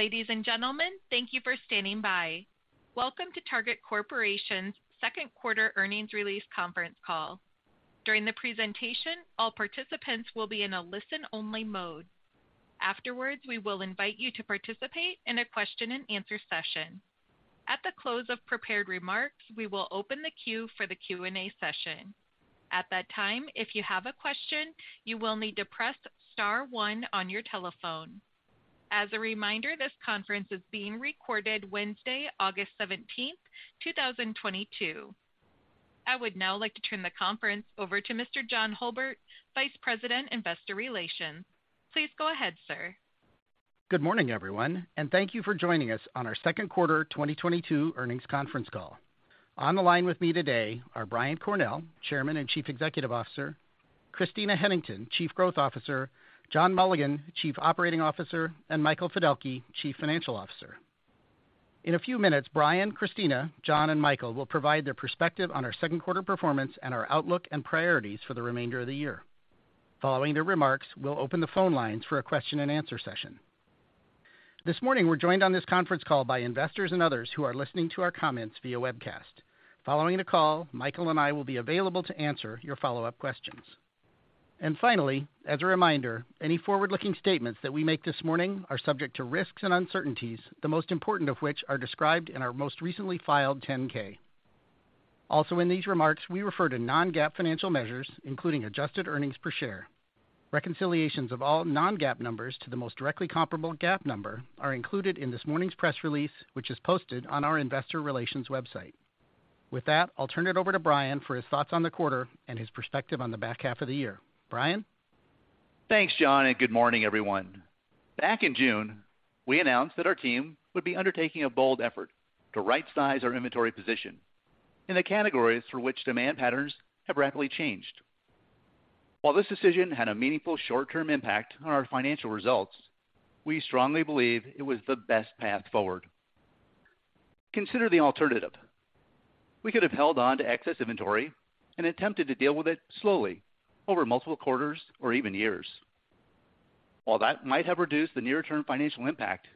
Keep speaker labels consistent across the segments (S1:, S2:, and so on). S1: Ladies and gentlemen, thank you for standing by. Welcome to Target Corporation's second quarter earnings release conference call. During the presentation, all participants will be in a listen-only mode. Afterwards, we will invite you to participate in a question-and-answer session. At the close of prepared remarks, we will open the queue for the Q&A session. At that time, if you have a question, you will need to press star one on your telephone. As a reminder, this conference is being recorded Wednesday, August 17th, 2022. I would now like to turn the conference over to Mr. John Hulbert, Vice President, Investor Relations. Please go ahead, sir.
S2: Good morning, everyone, and thank you for joining us on our second quarter 2022 earnings conference call. On the line with me today are Brian Cornell, Chairman and Chief Executive Officer, Christina Hennington, Chief Growth Officer, John Mulligan, Chief Operating Officer, and Michael Fiddelke, Chief Financial Officer. In a few minutes, Brian, Christina, John, and Michael will provide their perspective on our second quarter performance and our outlook and priorities for the remainder of the year. Following their remarks, we'll open the phone lines for a question-and-answer session. This morning, we're joined on this conference call by investors and others who are listening to our comments via webcast. Following the call, Michael and I will be available to answer your follow-up questions. Finally, as a reminder, any forward-looking statements that we make this morning are subject to risks and uncertainties, the most important of which are described in our most recently filed 10-K. Also in these remarks, we refer to non-GAAP financial measures, including adjusted earnings per share. Reconciliations of all non-GAAP numbers to the most directly comparable GAAP number are included in this morning's press release, which is posted on our investor relations website. With that, I'll turn it over to Brian for his thoughts on the quarter and his perspective on the back half of the year. Brian?
S3: Thanks, John, and good morning, everyone. Back in June, we announced that our team would be undertaking a bold effort to rightsize our inventory position in the categories for which demand patterns have rapidly changed. While this decision had a meaningful short-term impact on our financial results, we strongly believe it was the best path forward. Consider the alternative. We could have held on to excess inventory and attempted to deal with it slowly over multiple quarters or even years. While that might have reduced the near-term financial impact,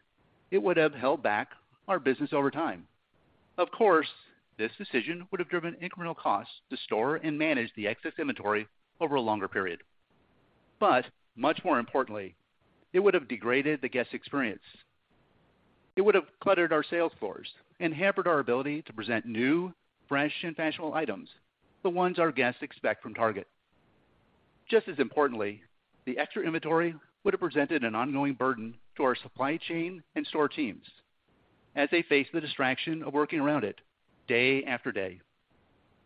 S3: it would have held back our business over time. Of course, this decision would have driven incremental costs to store and manage the excess inventory over a longer period. Much more importantly, it would have degraded the guest experience. It would have cluttered our sales floors and hampered our ability to present new, fresh, and fashionable items, the ones our guests expect from Target. Just as importantly, the extra inventory would have presented an ongoing burden to our supply chain and store teams as they face the distraction of working around it day after day.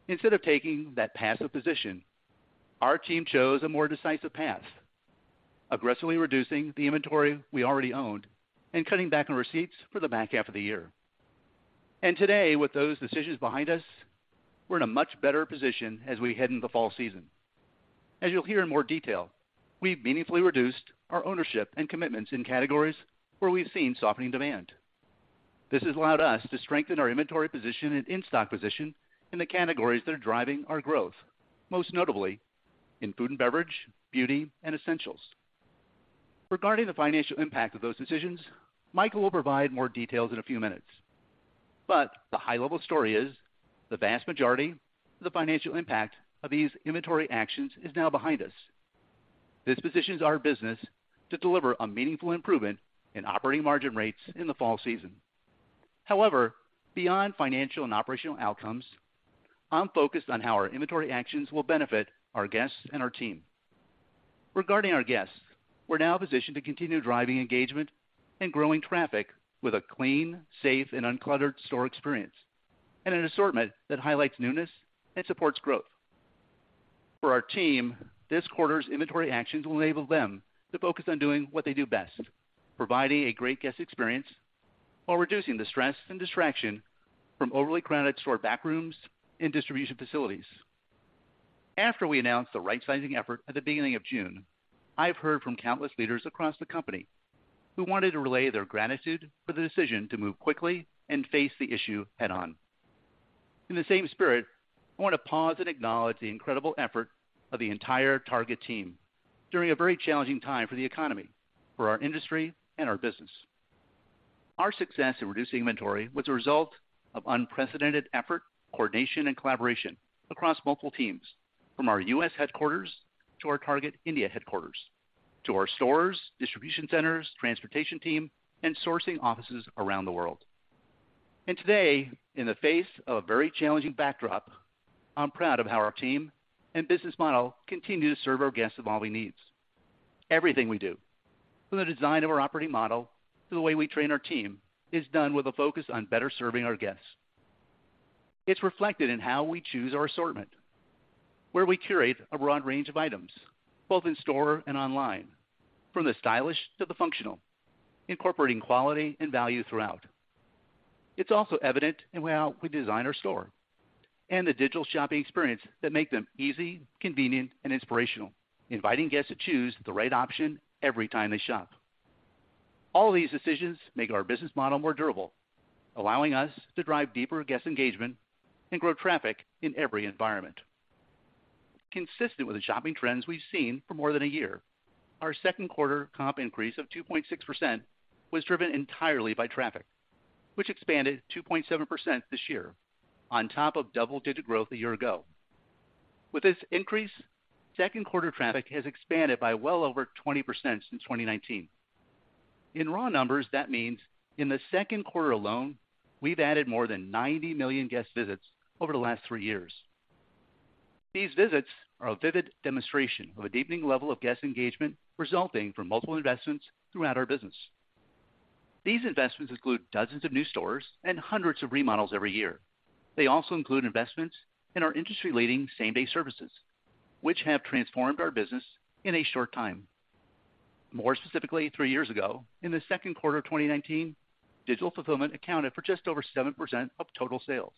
S3: Instead of taking that passive position, our team chose a more decisive path, aggressively reducing the inventory we already owned and cutting back on receipts for the back half of the year. Today, with those decisions behind us, we're in a much better position as we head into the fall season. As you'll hear in more detail, we've meaningfully reduced our ownership and commitments in categories where we've seen softening demand. This has allowed us to strengthen our inventory position and in-stock position in the categories that are driving our growth, most notably in food and beverage, beauty, and essentials. Regarding the financial impact of those decisions, Michael will provide more details in a few minutes. The high-level story is the vast majority of the financial impact of these inventory actions is now behind us. This positions our business to deliver a meaningful improvement in operating margin rates in the fall season. However, beyond financial and operational outcomes, I'm focused on how our inventory actions will benefit our guests and our team. Regarding our guests, we're now positioned to continue driving engagement and growing traffic with a clean, safe, and uncluttered store experience and an assortment that highlights newness and supports growth. For our team, this quarter's inventory actions will enable them to focus on doing what they do best, providing a great guest experience while reducing the stress and distraction from overly crowded store back rooms and distribution facilities. After we announced the rightsizing effort at the beginning of June, I've heard from countless leaders across the company who wanted to relay their gratitude for the decision to move quickly and face the issue head-on. In the same spirit, I want to pause and acknowledge the incredible effort of the entire Target team during a very challenging time for the economy, for our industry, and our business. Our success in reducing inventory was a result of unprecedented effort, coordination, and collaboration across multiple teams, from our U.S. headquarters to our Target India headquarters, to our stores, distribution centers, transportation team, and sourcing offices around the world. Today, in the face of a very challenging backdrop, I'm proud of how our team and business model continue to serve our guests' evolving needs. Everything we do, from the design of our operating model to the way we train our team, is done with a focus on better serving our guests. It's reflected in how we choose our assortment, where we curate a broad range of items, both in store and online, from the stylish to the functional, incorporating quality and value throughout. It's also evident in how we design our store and the digital shopping experience that make them easy, convenient, and inspirational, inviting guests to choose the right option every time they shop. All of these decisions make our business model more durable, allowing us to drive deeper guest engagement and grow traffic in every environment. Consistent with the shopping trends we've seen for more than a year, our second quarter comp increase of 2.6% was driven entirely by traffic, which expanded 2.7% this year on top of double-digit growth a year ago. With this increase, second quarter traffic has expanded by well over 20% since 2019. In raw numbers, that means in the second quarter alone, we've added more than 90 million guest visits over the last three years. These visits are a vivid demonstration of a deepening level of guest engagement resulting from multiple investments throughout our business. These investments include dozens of new stores and hundreds of remodels every year. They also include investments in our industry-leading same-day services, which have transformed our business in a short time. More specifically, 3 years ago, in the second quarter of 2019, digital fulfillment accounted for just over 7% of total sales.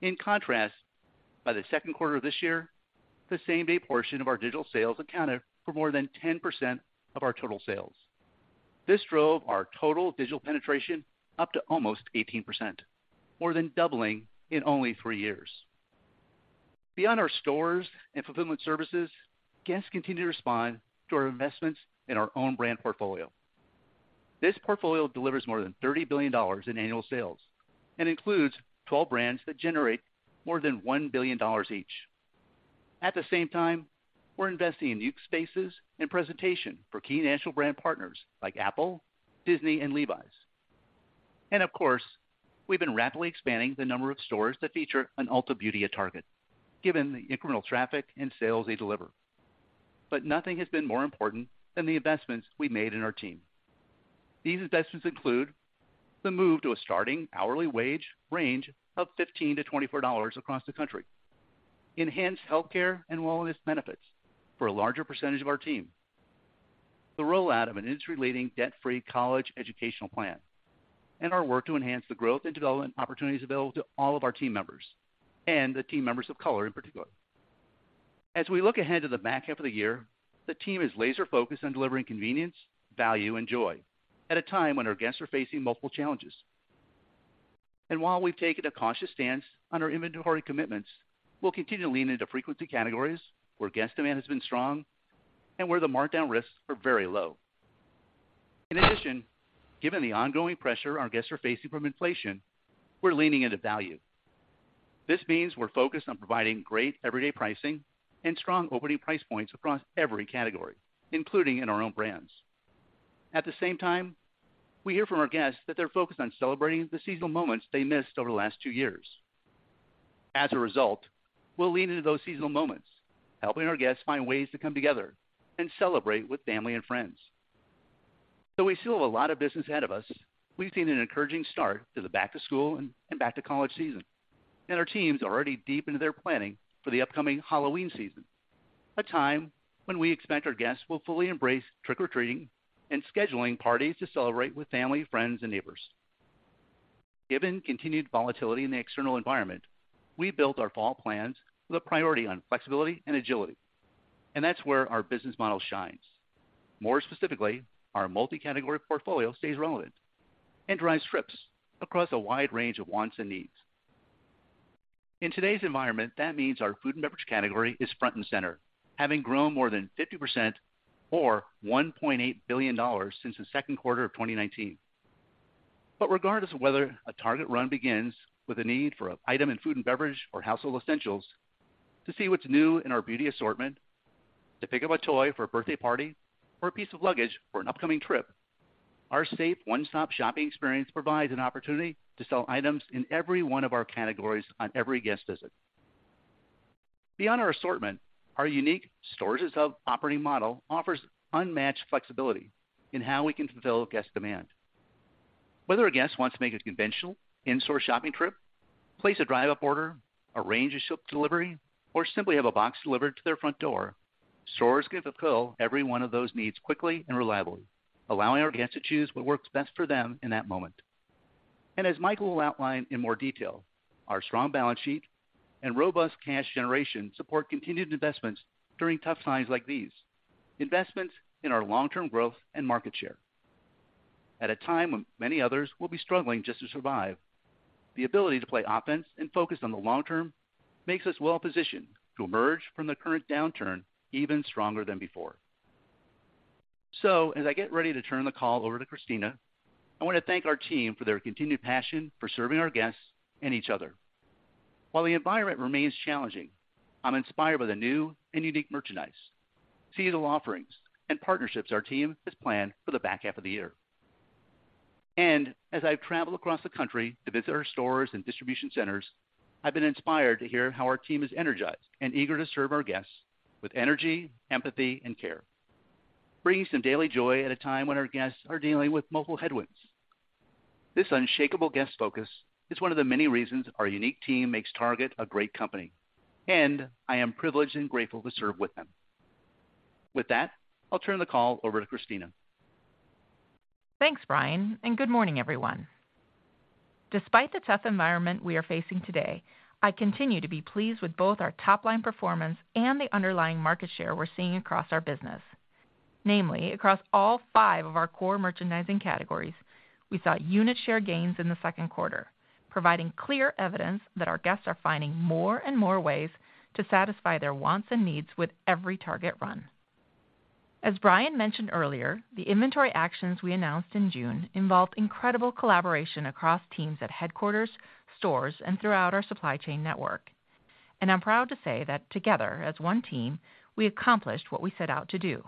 S3: In contrast, by the second quarter of this year, the same-day portion of our digital sales accounted for more than 10% of our total sales. This drove our total digital penetration up to almost 18%, more than doubling in only three years. Beyond our stores and fulfillment services, guests continue to respond to our investments in our own brand portfolio. This portfolio delivers more than $30 billion in annual sales and includes 12 brands that generate more than $1 billion each. At the same time, we're investing in new spaces and presentation for key national brand partners like Apple, Disney, and Levi's. Of course, we've been rapidly expanding the number of stores that feature an Ulta Beauty at Target, given the incremental traffic and sales they deliver. Nothing has been more important than the investments we made in our team. These investments include the move to a starting hourly wage range of $15-$24 across the country, enhanced healthcare and wellness benefits for a larger percentage of our team, the rollout of an industry-leading debt-free college educational plan, and our work to enhance the growth and development opportunities available to all of our team members, and the team members of color in particular. As we look ahead to the back half of the year, the team is laser focused on delivering convenience, value, and joy at a time when our guests are facing multiple challenges. While we've taken a cautious stance on our inventory commitments, we'll continue to lean into frequency categories where guest demand has been strong and where the markdown risks are very low. In addition, given the ongoing pressure our guests are facing from inflation, we're leaning into value. This means we're focused on providing great everyday pricing and strong opening price points across every category, including in our own brands. At the same time, we hear from our guests that they're focused on celebrating the seasonal moments they missed over the last two years. As a result, we'll lean into those seasonal moments, helping our guests find ways to come together and celebrate with family and friends. Though we still have a lot of business ahead of us, we've seen an encouraging start to the back-to-school and back-to-college season, and our teams are already deep into their planning for the upcoming Halloween season, a time when we expect our guests will fully embrace trick-or-treating and scheduling parties to celebrate with family, friends and neighbors. Given continued volatility in the external environment, we built our fall plans with a priority on flexibility and agility, and that's where our business model shines. More specifically, our multi-category portfolio stays relevant and drives trips across a wide range of wants and needs. In today's environment, that means our food and beverage category is front and center, having grown more than 50% or $1.8 billion since the second quarter of 2019. Regardless of whether a Target run begins with a need for an item in food and beverage or household essentials, to see what's new in our beauty assortment, to pick up a toy for a birthday party or a piece of luggage for an upcoming trip, our safe one-stop shopping experience provides an opportunity to sell items in every one of our categories on every guest visit. Beyond our assortment, our unique stores-as-hub operating model offers unmatched flexibility in how we can fulfill guest demand. Whether a guest wants to make a conventional in-store shopping trip, place a Drive Up order, arrange a ship to delivery, or simply have a box delivered to their front door, stores can fulfill every one of those needs quickly and reliably, allowing our guests to choose what works best for them in that moment. As Michael will outline in more detail, our strong balance sheet and robust cash generation support continued investments during tough times like these, investments in our long-term growth and market share. At a time when many others will be struggling just to survive, the ability to play offense and focus on the long term makes us well positioned to emerge from the current downturn even stronger than before. As I get ready to turn the call over to Christina, I want to thank our team for their continued passion for serving our guests and each other. While the environment remains challenging, I'm inspired by the new and unique merchandise, seasonal offerings, and partnerships our team has planned for the back half of the year. As I've traveled across the country to visit our stores and distribution centers, I've been inspired to hear how our team is energized and eager to serve our guests with energy, empathy, and care, bringing some daily joy at a time when our guests are dealing with multiple headwinds. This unshakable guest focus is one of the many reasons our unique team makes Target a great company, and I am privileged and grateful to serve with them. With that, I'll turn the call over to Christina.
S4: Thanks, Brian, and good morning, everyone. Despite the tough environment we are facing today, I continue to be pleased with both our top line performance and the underlying market share we're seeing across our business. Namely, across all five of our core merchandising categories, we saw unit share gains in the second quarter, providing clear evidence that our guests are finding more and more ways to satisfy their wants and needs with every Target run. As Brian mentioned earlier, the inventory actions we announced in June involved incredible collaboration across teams at headquarters, stores, and throughout our supply chain network. I'm proud to say that together, as one team, we accomplished what we set out to do.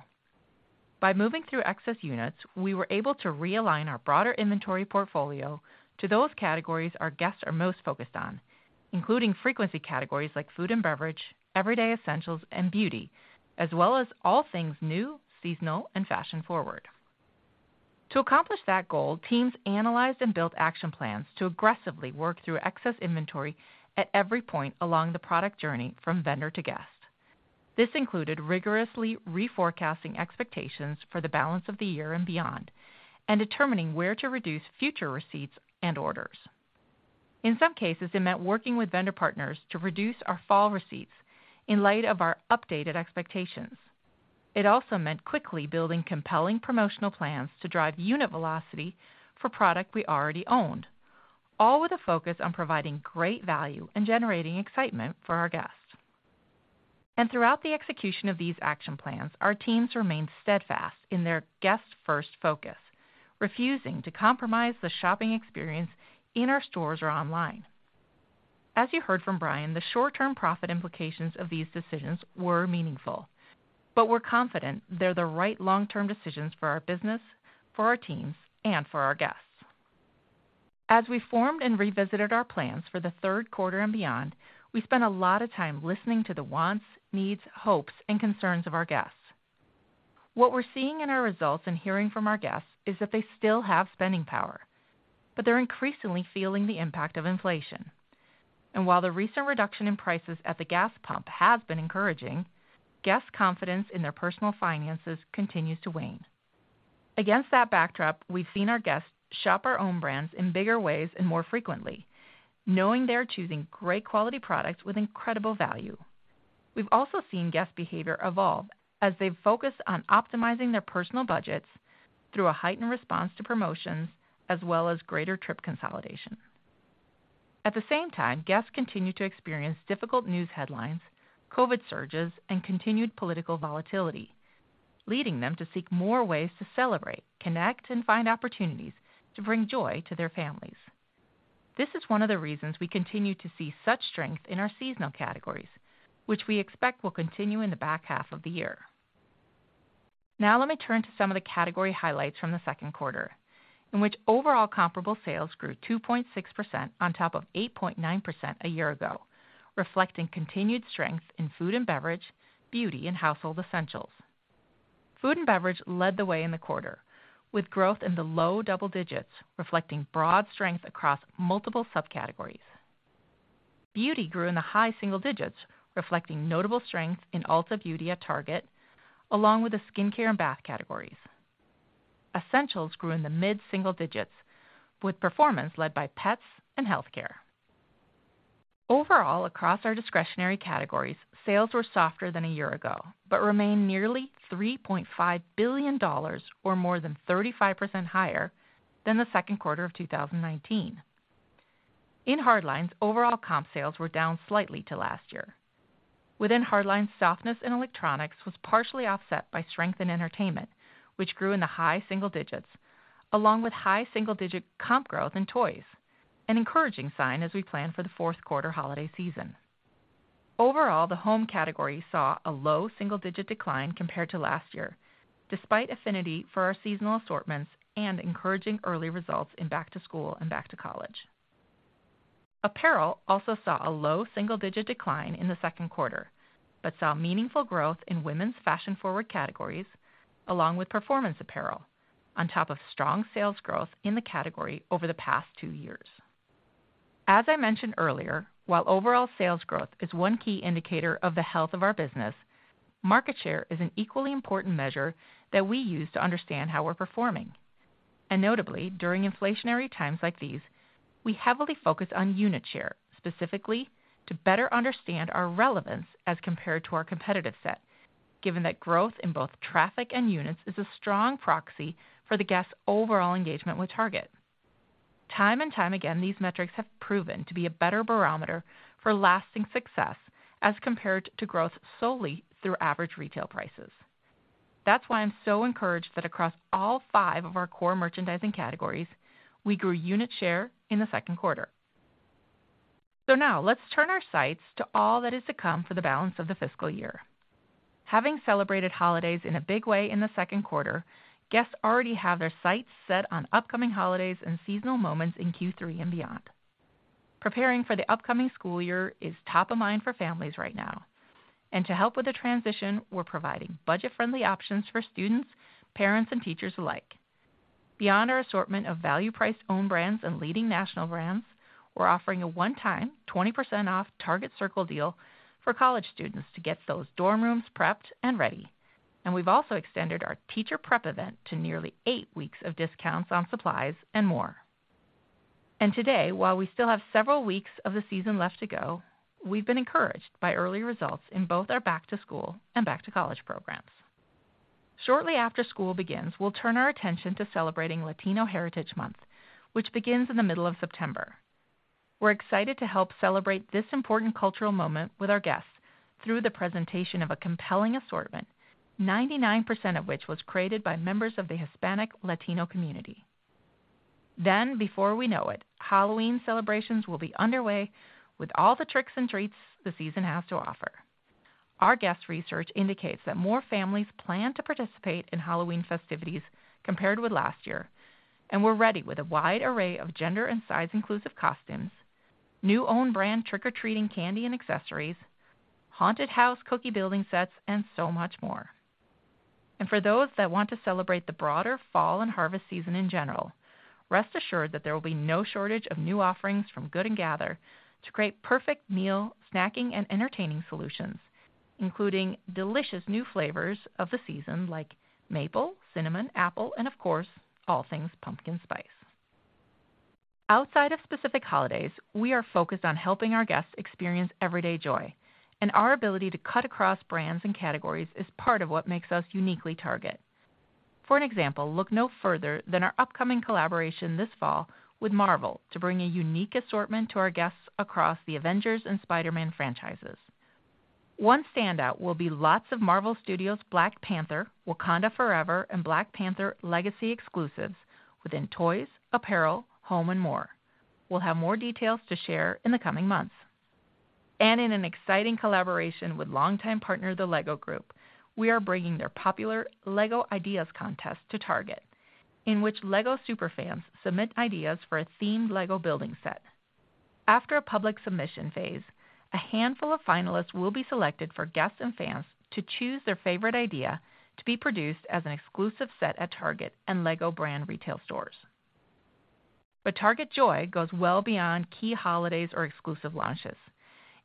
S4: By moving through excess units, we were able to realign our broader inventory portfolio to those categories our guests are most focused on, including frequency categories like food and beverage, everyday essentials, and beauty, as well as all things new, seasonal, and fashion-forward. To accomplish that goal, teams analyzed and built action plans to aggressively work through excess inventory at every point along the product journey from vendor to guest. This included rigorously reforecasting expectations for the balance of the year and beyond and determining where to reduce future receipts and orders. In some cases, it meant working with vendor partners to reduce our fall receipts in light of our updated expectations. It also meant quickly building compelling promotional plans to drive unit velocity for product we already owned, all with a focus on providing great value and generating excitement for our guests. Throughout the execution of these action plans, our teams remained steadfast in their guests-first focus, refusing to compromise the shopping experience in our stores or online. As you heard from Brian, the short-term profit implications of these decisions were meaningful, but we're confident they're the right long-term decisions for our business, for our teams, and for our guests. As we formed and revisited our plans for the third quarter and beyond, we spent a lot of time listening to the wants, needs, hopes, and concerns of our guests. What we're seeing in our results and hearing from our guests is that they still have spending power, but they're increasingly feeling the impact of inflation. While the recent reduction in prices at the gas pump has been encouraging, guests' confidence in their personal finances continues to wane. Against that backdrop, we've seen our guests shop our own brands in bigger ways and more frequently, knowing they're choosing great quality products with incredible value. We've also seen guest behavior evolve as they focus on optimizing their personal budgets through a heightened response to promotions as well as greater trip consolidation. At the same time, guests continue to experience difficult news headlines, COVID surges, and continued political volatility, leading them to seek more ways to celebrate, connect, and find opportunities to bring joy to their families. This is one of the reasons we continue to see such strength in our seasonal categories, which we expect will continue in the back half of the year. Now let me turn to some of the category highlights from the second quarter in which overall comparable sales grew 2.6% on top of 8.9% a year ago, reflecting continued strength in food and beverage, beauty and household essentials. Food and beverage led the way in the quarter, with growth in the low double digits, reflecting broad strength across multiple subcategories. Beauty grew in the high single digits, reflecting notable strength in Ulta Beauty at Target, along with the skincare and bath categories. Essentials grew in the mid single digits with performance led by pets and healthcare. Overall, across our discretionary categories, sales were softer than a year ago, but remain nearly $3.5 billion or more than 35% higher than the second quarter of 2019. In hard lines, overall comp sales were down slightly to last year. Within hard lines, softness in electronics was partially offset by strength in entertainment, which grew in the high single digits, along with high single-digit comp growth in toys, an encouraging sign as we plan for the fourth quarter holiday season. Overall, the home category saw a low single-digit decline compared to last year, despite affinity for our seasonal assortments and encouraging early results in back to school and back to college. Apparel also saw a low single-digit decline in the second quarter, but saw meaningful growth in women's fashion-forward categories, along with performance apparel, on top of strong sales growth in the category over the past two years. As I mentioned earlier, while overall sales growth is one key indicator of the health of our business, market share is an equally important measure that we use to understand how we're performing. Notably, during inflationary times like these, we heavily focus on unit share, specifically to better understand our relevance as compared to our competitive set, given that growth in both traffic and units is a strong proxy for the guest's overall engagement with Target. Time and time again, these metrics have proven to be a better barometer for lasting success as compared to growth solely through average retail prices. That's why I'm so encouraged that across all five of our core merchandising categories, we grew unit share in the second quarter. Now let's turn our sights to all that is to come for the balance of the fiscal year. Having celebrated holidays in a big way in the second quarter, guests already have their sights set on upcoming holidays and seasonal moments in Q3 and beyond. Preparing for the upcoming school year is top of mind for families right now. To help with the transition, we're providing budget-friendly options for students, parents, and teachers alike. Beyond our assortment of value-priced own brands and leading national brands, we're offering a one-time 20% off Target Circle deal for college students to get those dorm rooms prepped and ready. We've also extended our teacher prep event to nearly 8 weeks of discounts on supplies and more. Today, while we still have several weeks of the season left to go, we've been encouraged by early results in both our back to school and back to college programs. Shortly after school begins, we'll turn our attention to celebrating Latino Heritage Month, which begins in the middle of September. We're excited to help celebrate this important cultural moment with our guests through the presentation of a compelling assortment, 99% of which was created by members of the Hispanic or Latino community. Before we know it, Halloween celebrations will be underway with all the tricks and treats the season has to offer. Our guest research indicates that more families plan to participate in Halloween festivities compared with last year, and we're ready with a wide array of gender and size-inclusive costumes, new own-brand trick-or-treating candy and accessories, haunted house cookie building sets, and so much more. For those that want to celebrate the broader fall and harvest season in general, rest assured that there will be no shortage of new offerings from Good & Gather to create perfect meal, snacking, and entertaining solutions, including delicious new flavors of the season like maple, cinnamon, apple, and of course, all things pumpkin spice. Outside of specific holidays, we are focused on helping our guests experience everyday joy, and our ability to cut across brands and categories is part of what makes us uniquely Target. For an example, look no further than our upcoming collaboration this fall with Marvel to bring a unique assortment to our guests across the Avengers and Spider-Man franchises. One standout will be lots of Marvel Studios' Black Panther: Wakanda Forever, and Black Panther legacy exclusives within toys, apparel, home, and more. We'll have more details to share in the coming months. In an exciting collaboration with longtime partner, The LEGO Group, we are bringing their popular LEGO Ideas contest to Target, in which LEGO super fans submit ideas for a themed LEGO building set. After a public submission phase, a handful of finalists will be selected for guests and fans to choose their favorite idea to be produced as an exclusive set at Target and LEGO brand retail stores. Target joy goes well beyond key holidays or exclusive launches.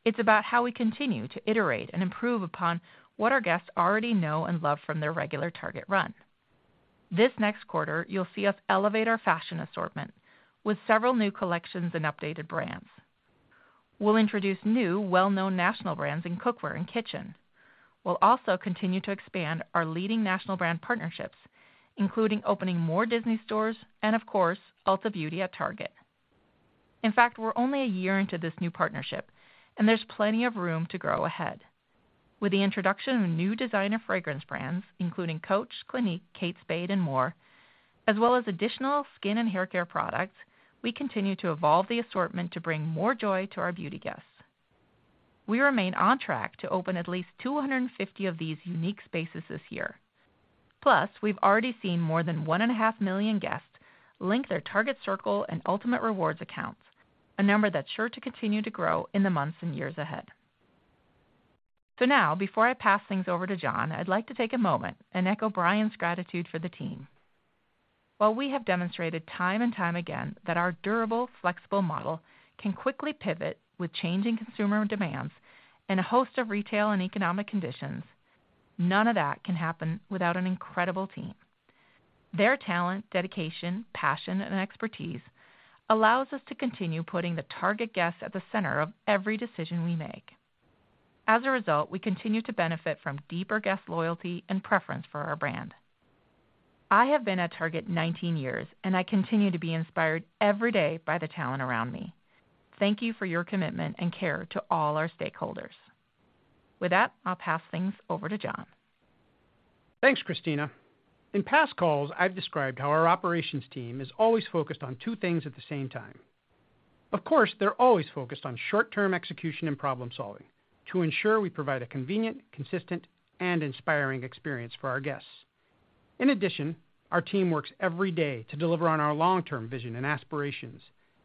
S4: It's about how we continue to iterate and improve upon what our guests already know and love from their regular Target run. This next quarter, you'll see us elevate our fashion assortment with several new collections and updated brands. We'll introduce new well-known national brands in cookware and kitchen. We'll also continue to expand our leading national brand partnerships, including opening more Disney stores and, of course, Ulta Beauty at Target. In fact, we're only a year into this new partnership, and there's plenty of room to grow ahead. With the introduction of new designer fragrance brands, including Coach, Clinique, Kate Spade, and more, as well as additional skin and hair care products, we continue to evolve the assortment to bring more joy to our beauty guests. We remain on track to open at least 250 of these unique spaces this year. Plus, we've already seen more than 1.5 million guests link their Target Circle and Ultamate Rewards accounts, a number that's sure to continue to grow in the months and years ahead. Before I pass things over to John, I'd like to take a moment and echo Brian's gratitude for the team. While we have demonstrated time and time again that our durable, flexible model can quickly pivot with changing consumer demands and a host of retail and economic conditions, none of that can happen without an incredible team. Their talent, dedication, passion, and expertise allows us to continue putting the Target guest at the center of every decision we make. As a result, we continue to benefit from deeper guest loyalty and preference for our brand. I have been at Target 19 years, and I continue to be inspired every day by the talent around me. Thank you for your commitment and care to all our stakeholders. With that, I'll pass things over to John.
S5: Thanks, Christina. In past calls, I've described how our operations team is always focused on two things at the same time. Of course, they're always focused on short-term execution and problem-solving to ensure we provide a convenient, consistent, and inspiring experience for our guests. In addition, our team works every day to deliver on our long-term vision and aspirations,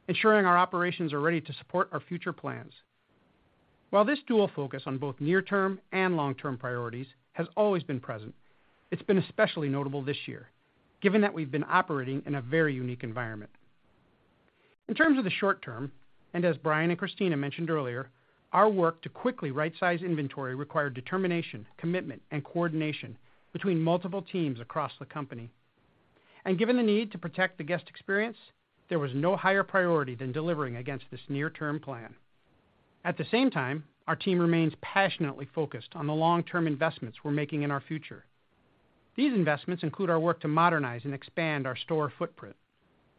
S5: ensuring our operations are ready to support our future plans. While this dual focus on both near-term and long-term priorities has always been present, it's been especially notable this year, given that we've been operating in a very unique environment. In terms of the short term, and as Brian and Christina mentioned earlier, our work to quickly right-size inventory required determination, commitment, and coordination between multiple teams across the company. Given the need to protect the guest experience, there was no higher priority than delivering against this near-term plan. At the same time, our team remains passionately focused on the long-term investments we're making in our future. These investments include our work to modernize and expand our store footprint,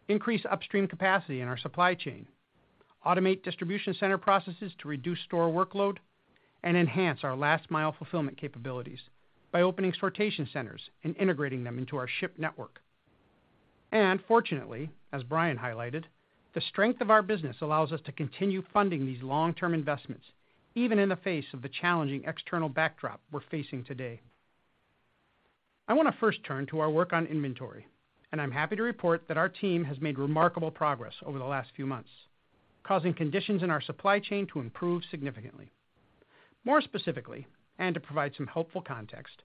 S5: increase upstream capacity in our supply chain, automate distribution center processes to reduce store workload, and enhance our last-mile fulfillment capabilities by opening sortation centers and integrating them into our ship network. Fortunately, as Brian highlighted, the strength of our business allows us to continue funding these long-term investments, even in the face of the challenging external backdrop we're facing today. I wanna first turn to our work on inventory, and I'm happy to report that our team has made remarkable progress over the last few months, causing conditions in our supply chain to improve significantly. More specifically, to provide some helpful context,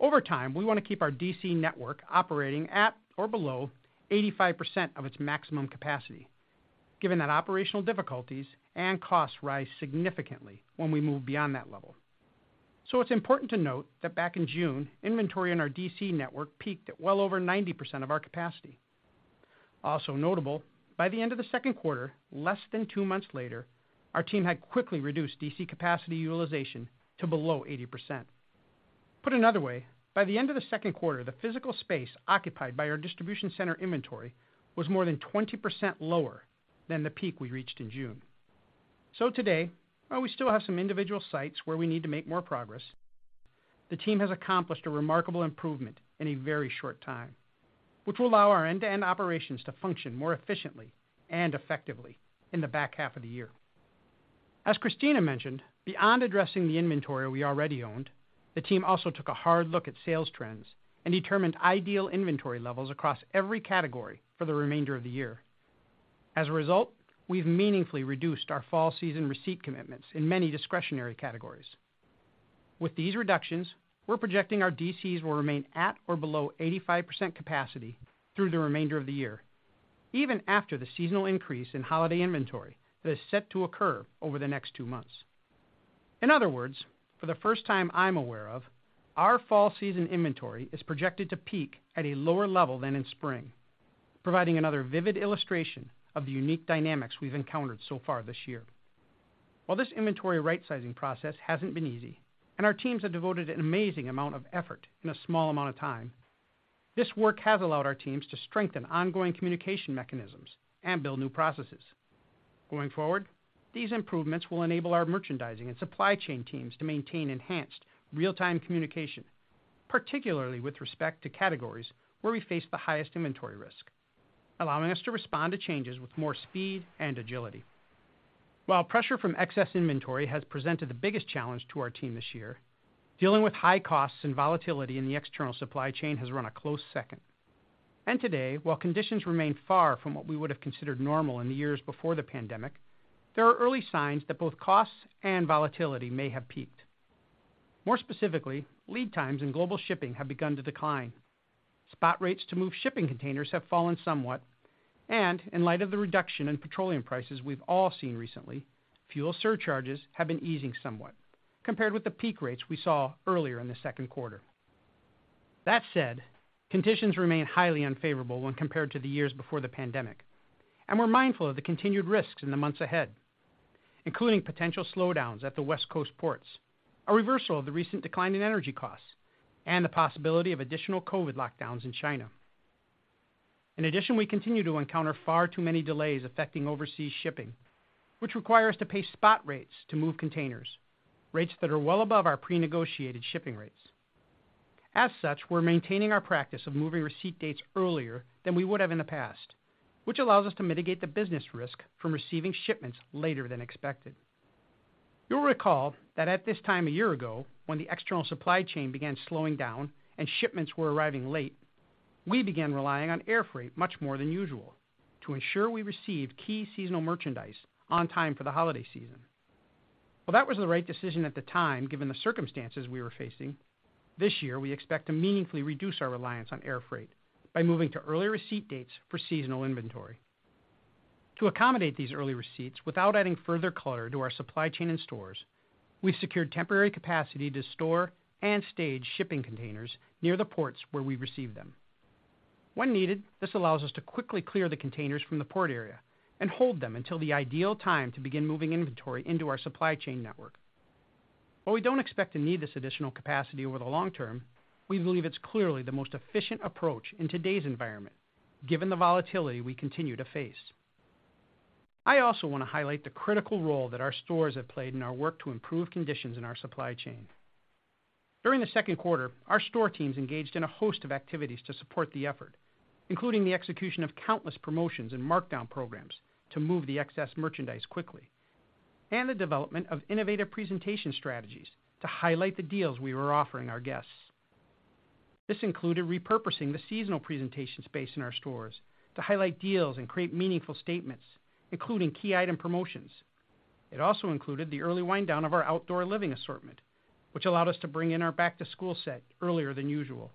S5: over time, we wanna keep our DC network operating at or below 85% of its maximum capacity, given that operational difficulties and costs rise significantly when we move beyond that level. It's important to note that back in June, inventory in our DC network peaked at well over 90% of our capacity. Also notable, by the end of the second quarter, less than two months later, our team had quickly reduced DC capacity utilization to below 80%. Put another way, by the end of the second quarter, the physical space occupied by our distribution center inventory was more than 20% lower than the peak we reached in June. Today, while we still have some individual sites where we need to make more progress, the team has accomplished a remarkable improvement in a very short time, which will allow our end-to-end operations to function more efficiently and effectively in the back half of the year. As Christina mentioned, beyond addressing the inventory we already owned, the team also took a hard look at sales trends and determined ideal inventory levels across every category for the remainder of the year. As a result, we've meaningfully reduced our fall season receipt commitments in many discretionary categories. With these reductions, we're projecting our DCs will remain at or below 85% capacity through the remainder of the year, even after the seasonal increase in holiday inventory that is set to occur over the next two months. In other words, for the first time I'm aware of, our fall season inventory is projected to peak at a lower level than in spring, providing another vivid illustration of the unique dynamics we've encountered so far this year. While this inventory right-sizing process hasn't been easy, and our teams have devoted an amazing amount of effort in a small amount of time, this work has allowed our teams to strengthen ongoing communication mechanisms and build new processes. Going forward, these improvements will enable our merchandising and supply chain teams to maintain enhanced real-time communication, particularly with respect to categories where we face the highest inventory risk, allowing us to respond to changes with more speed and agility. While pressure from excess inventory has presented the biggest challenge to our team this year, dealing with high costs and volatility in the external supply chain has run a close second. Today, while conditions remain far from what we would have considered normal in the years before the pandemic, there are early signs that both costs and volatility may have peaked. More specifically, lead times in global shipping have begun to decline. Spot rates to move shipping containers have fallen somewhat. In light of the reduction in petroleum prices we've all seen recently, fuel surcharges have been easing somewhat compared with the peak rates we saw earlier in the second quarter. That said, conditions remain highly unfavorable when compared to the years before the pandemic, and we're mindful of the continued risks in the months ahead, including potential slowdowns at the West Coast ports, a reversal of the recent decline in energy costs, and the possibility of additional COVID lockdowns in China. In addition, we continue to encounter far too many delays affecting overseas shipping, which require us to pay spot rates to move containers, rates that are well above our prenegotiated shipping rates. As such, we're maintaining our practice of moving receipt dates earlier than we would have in the past, which allows us to mitigate the business risk from receiving shipments later than expected. You'll recall that at this time a year ago, when the external supply chain began slowing down and shipments were arriving late, we began relying on air freight much more than usual to ensure we received key seasonal merchandise on time for the holiday season. While that was the right decision at the time, given the circumstances we were facing, this year, we expect to meaningfully reduce our reliance on air freight by moving to early receipt dates for seasonal inventory. To accommodate these early receipts without adding further clutter to our supply chain and stores, we've secured temporary capacity to store and stage shipping containers near the ports where we receive them. When needed, this allows us to quickly clear the containers from the port area and hold them until the ideal time to begin moving inventory into our supply chain network. While we don't expect to need this additional capacity over the long term, we believe it's clearly the most efficient approach in today's environment, given the volatility we continue to face. I also wanna highlight the critical role that our stores have played in our work to improve conditions in our supply chain. During the second quarter, our store teams engaged in a host of activities to support the effort, including the execution of countless promotions and markdown programs to move the excess merchandise quickly and the development of innovative presentation strategies to highlight the deals we were offering our guests. This included repurposing the seasonal presentation space in our stores to highlight deals and create meaningful statements, including key item promotions. It also included the early wind-down of our outdoor living assortment, which allowed us to bring in our back-to-school set earlier than usual,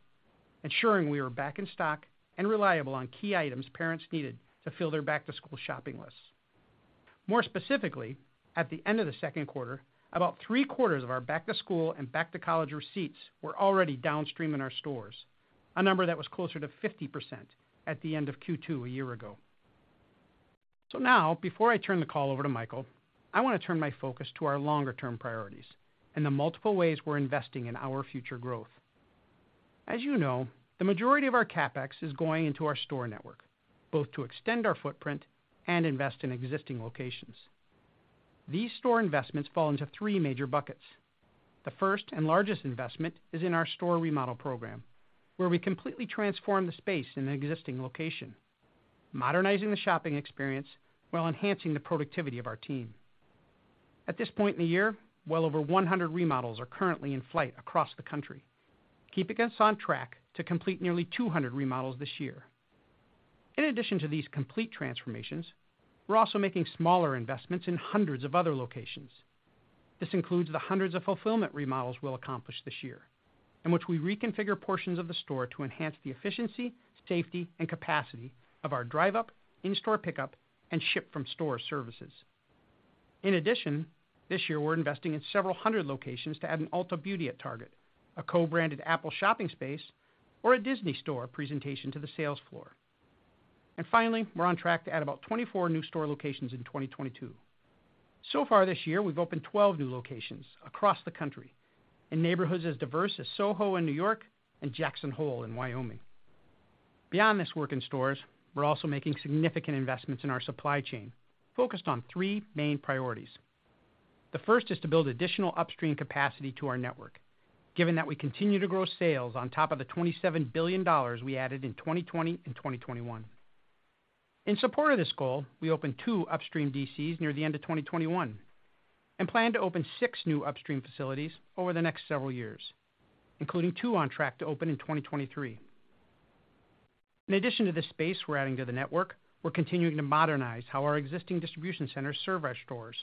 S5: ensuring we were back in stock and reliable on key items parents needed to fill their back-to-school shopping lists. More specifically, at the end of the second quarter, about three-quarters of our back-to-school and back-to-college receipts were already downstream in our stores, a number that was closer to 50% at the end of Q2 a year ago. Now, before I turn the call over to Michael, I wanna turn my focus to our longer-term priorities and the multiple ways we're investing in our future growth. As you know, the majority of our CapEx is going into our store network, both to extend our footprint and invest in existing locations. These store investments fall into three major buckets. The first and largest investment is in our store remodel program, where we completely transform the space in an existing location, modernizing the shopping experience while enhancing the productivity of our team. At this point in the year, well over 100 remodels are currently in flight across the country, keeping us on track to complete nearly 200 remodels this year. In addition to these complete transformations, we're also making smaller investments in hundreds of other locations. This includes the hundreds of fulfillment remodels we'll accomplish this year. In which we reconfigure portions of the store to enhance the efficiency, safety and capacity of our Drive Up, in-store pickup, and ship from store services. In addition, this year we're investing in several hundred locations to add an Ulta Beauty at Target, a co-branded Apple shopping space or a Disney Store presentation to the sales floor. Finally, we're on track to add about 24 new store locations in 2022. So far this year, we've opened 12 new locations across the country in neighborhoods as diverse as Soho in New York and Jackson Hole in Wyoming. Beyond this work in stores, we're also making significant investments in our supply chain, focused on three main priorities. The first is to build additional upstream capacity to our network, given that we continue to grow sales on top of the $27 billion we added in 2020 and 2021. In support of this goal, we opened two upstream DCs near the end of 2021 and plan to open six new upstream facilities over the next several years, including two on track to open in 2023. In addition to the space we're adding to the network, we're continuing to modernize how our existing distribution centers serve our stores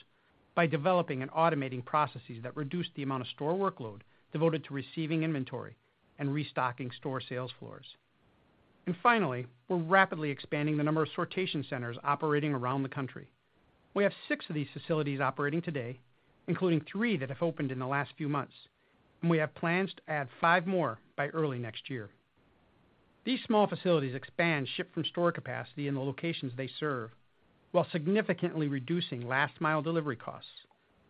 S5: by developing and automating processes that reduce the amount of store workload devoted to receiving inventory and restocking store sales floors. Finally, we're rapidly expanding the number of sortation centers operating around the country. We have six of these facilities operating today, including three that have opened in the last few months, and we have plans to add five more by early next year. These small facilities expand ship from store capacity in the locations they serve, while significantly reducing last mile delivery costs,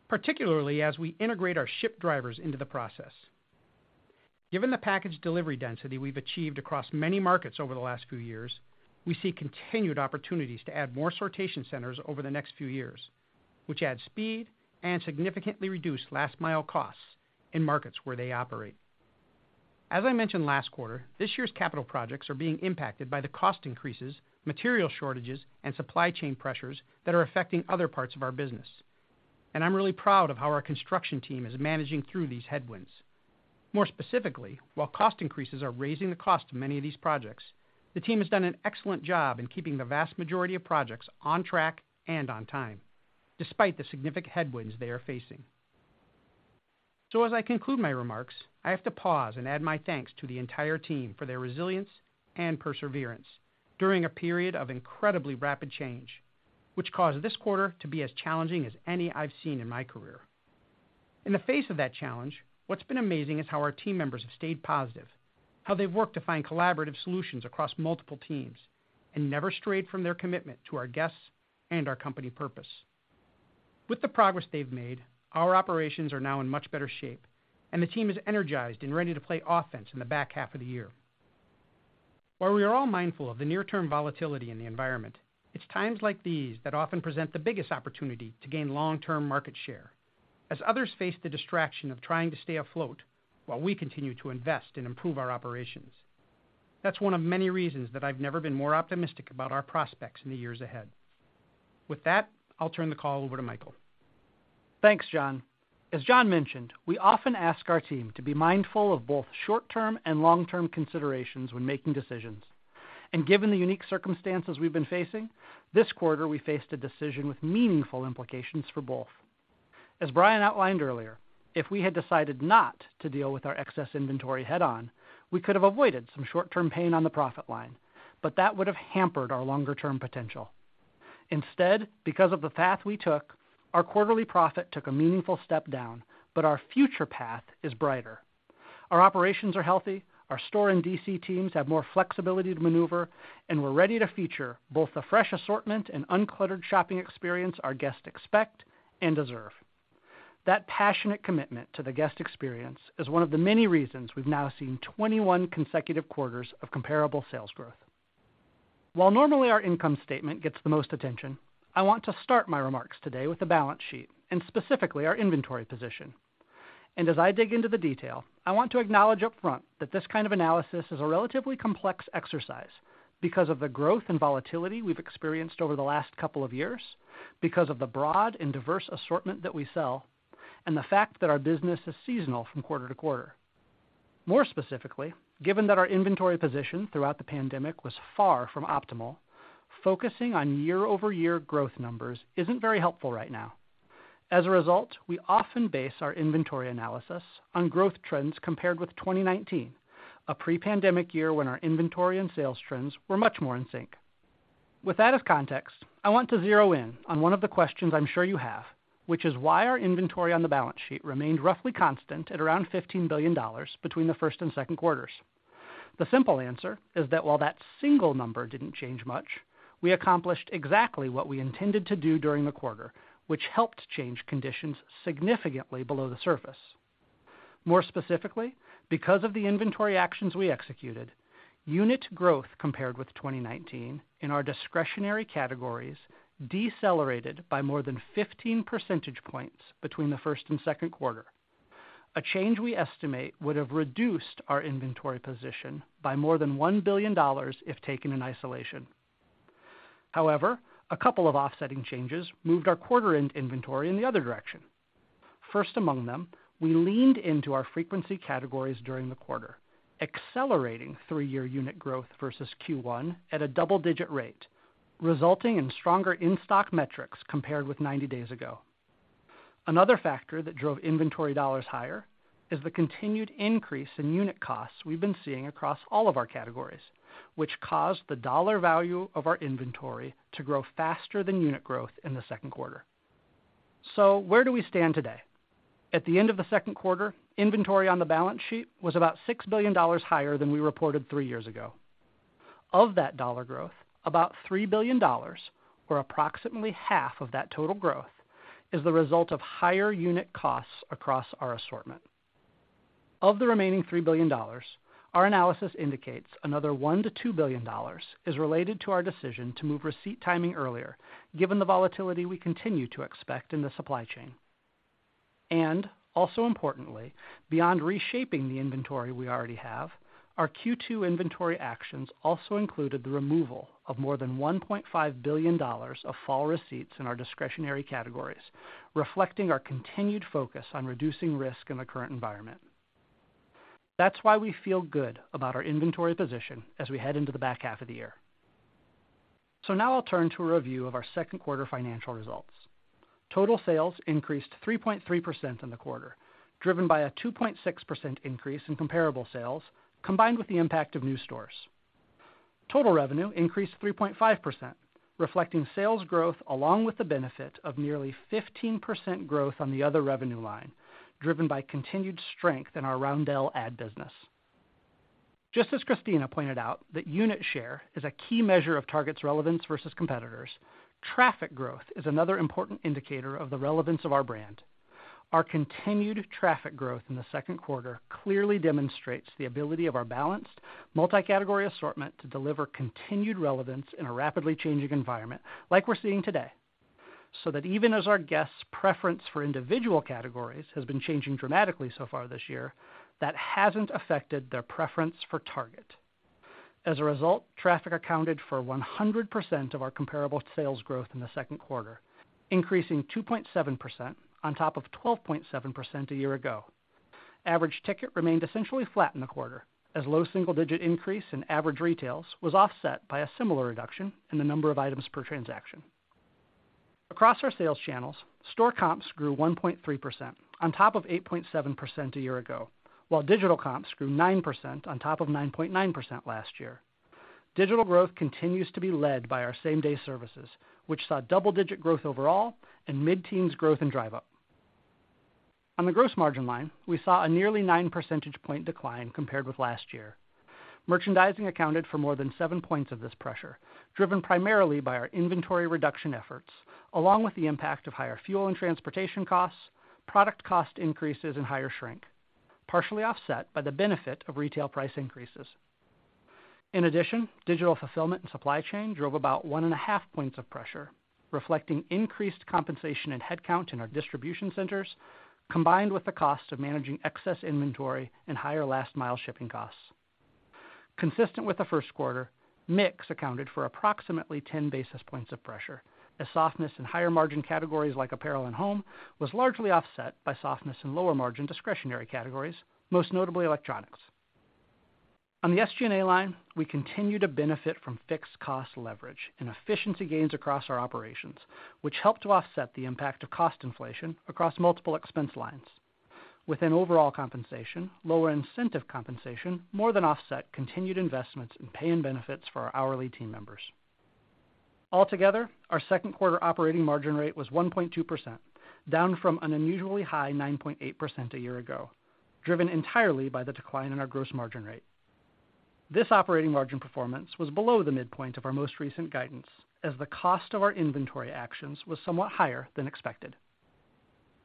S5: particularly as we integrate our Shipt drivers into the process. Given the package delivery density we've achieved across many markets over the last few years, we see continued opportunities to add more sortation centers over the next few years, which add speed and significantly reduce last mile costs in markets where they operate. As I mentioned last quarter, this year's capital projects are being impacted by the cost increases, material shortages and supply chain pressures that are affecting other parts of our business. I'm really proud of how our construction team is managing through these headwinds. More specifically, while cost increases are raising the cost of many of these projects, the team has done an excellent job in keeping the vast majority of projects on track and on time despite the significant headwinds they are facing. As I conclude my remarks, I have to pause and add my thanks to the entire team for their resilience and perseverance during a period of incredibly rapid change, which caused this quarter to be as challenging as any I've seen in my career. In the face of that challenge, what's been amazing is how our team members have stayed positive, how they've worked to find collaborative solutions across multiple teams, and never strayed from their commitment to our guests and our company purpose. With the progress they've made, our operations are now in much better shape, and the team is energized and ready to play offense in the back half of the year. While we are all mindful of the near term volatility in the environment, it's times like these that often present the biggest opportunity to gain long term market share as others face the distraction of trying to stay afloat while we continue to invest and improve our operations. That's one of many reasons that I've never been more optimistic about our prospects in the years ahead. With that, I'll turn the call over to Michael.
S6: Thanks, John. As John mentioned, we often ask our team to be mindful of both short-term and long-term considerations when making decisions. Given the unique circumstances we've been facing, this quarter, we faced a decision with meaningful implications for both. As Brian outlined earlier, if we had decided not to deal with our excess inventory head-on, we could have avoided some short-term pain on the profit line, but that would have hampered our longer-term potential. Instead, because of the path we took, our quarterly profit took a meaningful step down, but our future path is brighter. Our operations are healthy, our store and DC teams have more flexibility to maneuver, and we're ready to feature both the fresh assortment and uncluttered shopping experience our guests expect and deserve. That passionate commitment to the guest experience is one of the many reasons we've now seen 21 consecutive quarters of comparable sales growth. While normally our income statement gets the most attention, I want to start my remarks today with the balance sheet and specifically our inventory position. As I dig into the detail, I want to acknowledge upfront that this kind of analysis is a relatively complex exercise because of the growth and volatility we've experienced over the last couple of years, because of the broad and diverse assortment that we sell, and the fact that our business is seasonal from quarter to quarter. More specifically, given that our inventory position throughout the pandemic was far from optimal, focusing on year over year growth numbers isn't very helpful right now. As a result, we often base our inventory analysis on growth trends compared with 2019, a pre-pandemic year when our inventory and sales trends were much more in sync. With that as context, I want to zero in on one of the questions I'm sure you have, which is why our inventory on the balance sheet remained roughly constant at around $15 billion between the first and second quarters. The simple answer is that while that single number didn't change much, we accomplished exactly what we intended to do during the quarter, which helped change conditions significantly below the surface. More specifically, because of the inventory actions we executed, unit growth compared with 2019 in our discretionary categories decelerated by more than 15 percentage points between the first and second quarter. A change we estimate would have reduced our inventory position by more than $1 billion if taken in isolation. However, a couple of offsetting changes moved our quarter end inventory in the other direction. First among them, we leaned into our frequency categories during the quarter, accelerating three-year unit growth versus Q1 at a double-digit rate, resulting in stronger in-stock metrics compared with 90 days ago. Another factor that drove inventory dollars higher is the continued increase in unit costs we've been seeing across all of our categories, which caused the dollar value of our inventory to grow faster than unit growth in the second quarter. Where do we stand today? At the end of the second quarter, inventory on the balance sheet was about $6 billion higher than we reported three years ago. Of that dollar growth, about $3 billion, or approximately half of that total growth, is the result of higher unit costs across our assortment. Of the remaining $3 billion, our analysis indicates another $1 billion-$2 billion is related to our decision to move receipt timing earlier, given the volatility we continue to expect in the supply chain. Also importantly, beyond reshaping the inventory we already have, our Q2 inventory actions also included the removal of more than $1.5 billion of fall receipts in our discretionary categories, reflecting our continued focus on reducing risk in the current environment. That's why we feel good about our inventory position as we head into the back half of the year. Now I'll turn to a review of our second quarter financial results. Total sales increased 3.3% in the quarter, driven by a 2.6% increase in comparable sales combined with the impact of new stores. Total revenue increased 3.5%, reflecting sales growth along with the benefit of nearly 15% growth on the other revenue line, driven by continued strength in our Roundel ad business. Just as Christina pointed out that unit share is a key measure of Target's relevance versus competitors, traffic growth is another important indicator of the relevance of our brand. Our continued traffic growth in the second quarter clearly demonstrates the ability of our balanced multi-category assortment to deliver continued relevance in a rapidly changing environment like we're seeing today, so that even as our guests' preference for individual categories has been changing dramatically so far this year, that hasn't affected their preference for Target. As a result, traffic accounted for 100% of our comparable sales growth in the second quarter, increasing 2.7% on top of 12.7% a year ago. Average ticket remained essentially flat in the quarter as low single-digit increase in average retails was offset by a similar reduction in the number of items per transaction. Across our sales channels, store comps grew 1.3% on top of 8.7% a year ago, while digital comps grew 9% on top of 9.9% last year. Digital growth continues to be led by our same-day services, which saw double-digit growth overall and mid-teens growth in Drive Up. On the gross margin line, we saw a nearly 9 percentage point decline compared with last year. Merchandising accounted for more than 7 points of this pressure, driven primarily by our inventory reduction efforts, along with the impact of higher fuel and transportation costs, product cost increases and higher shrink, partially offset by the benefit of retail price increases. In addition, digital fulfillment and supply chain drove about 1.5 points of pressure, reflecting increased compensation and headcount in our distribution centers, combined with the cost of managing excess inventory and higher last mile shipping costs. Consistent with the first quarter, mix accounted for approximately 10 basis points of pressure as softness in higher margin categories like apparel and home was largely offset by softness in lower margin discretionary categories, most notably electronics. On the SG&A line, we continue to benefit from fixed cost leverage and efficiency gains across our operations, which help to offset the impact of cost inflation across multiple expense lines. Within overall compensation, lower incentive compensation more than offset continued investments in pay and benefits for our hourly team members. Altogether, our second quarter operating margin rate was 1.2%, down from an unusually high 9.8% a year ago, driven entirely by the decline in our gross margin rate. This operating margin performance was below the midpoint of our most recent guidance, as the cost of our inventory actions was somewhat higher than expected.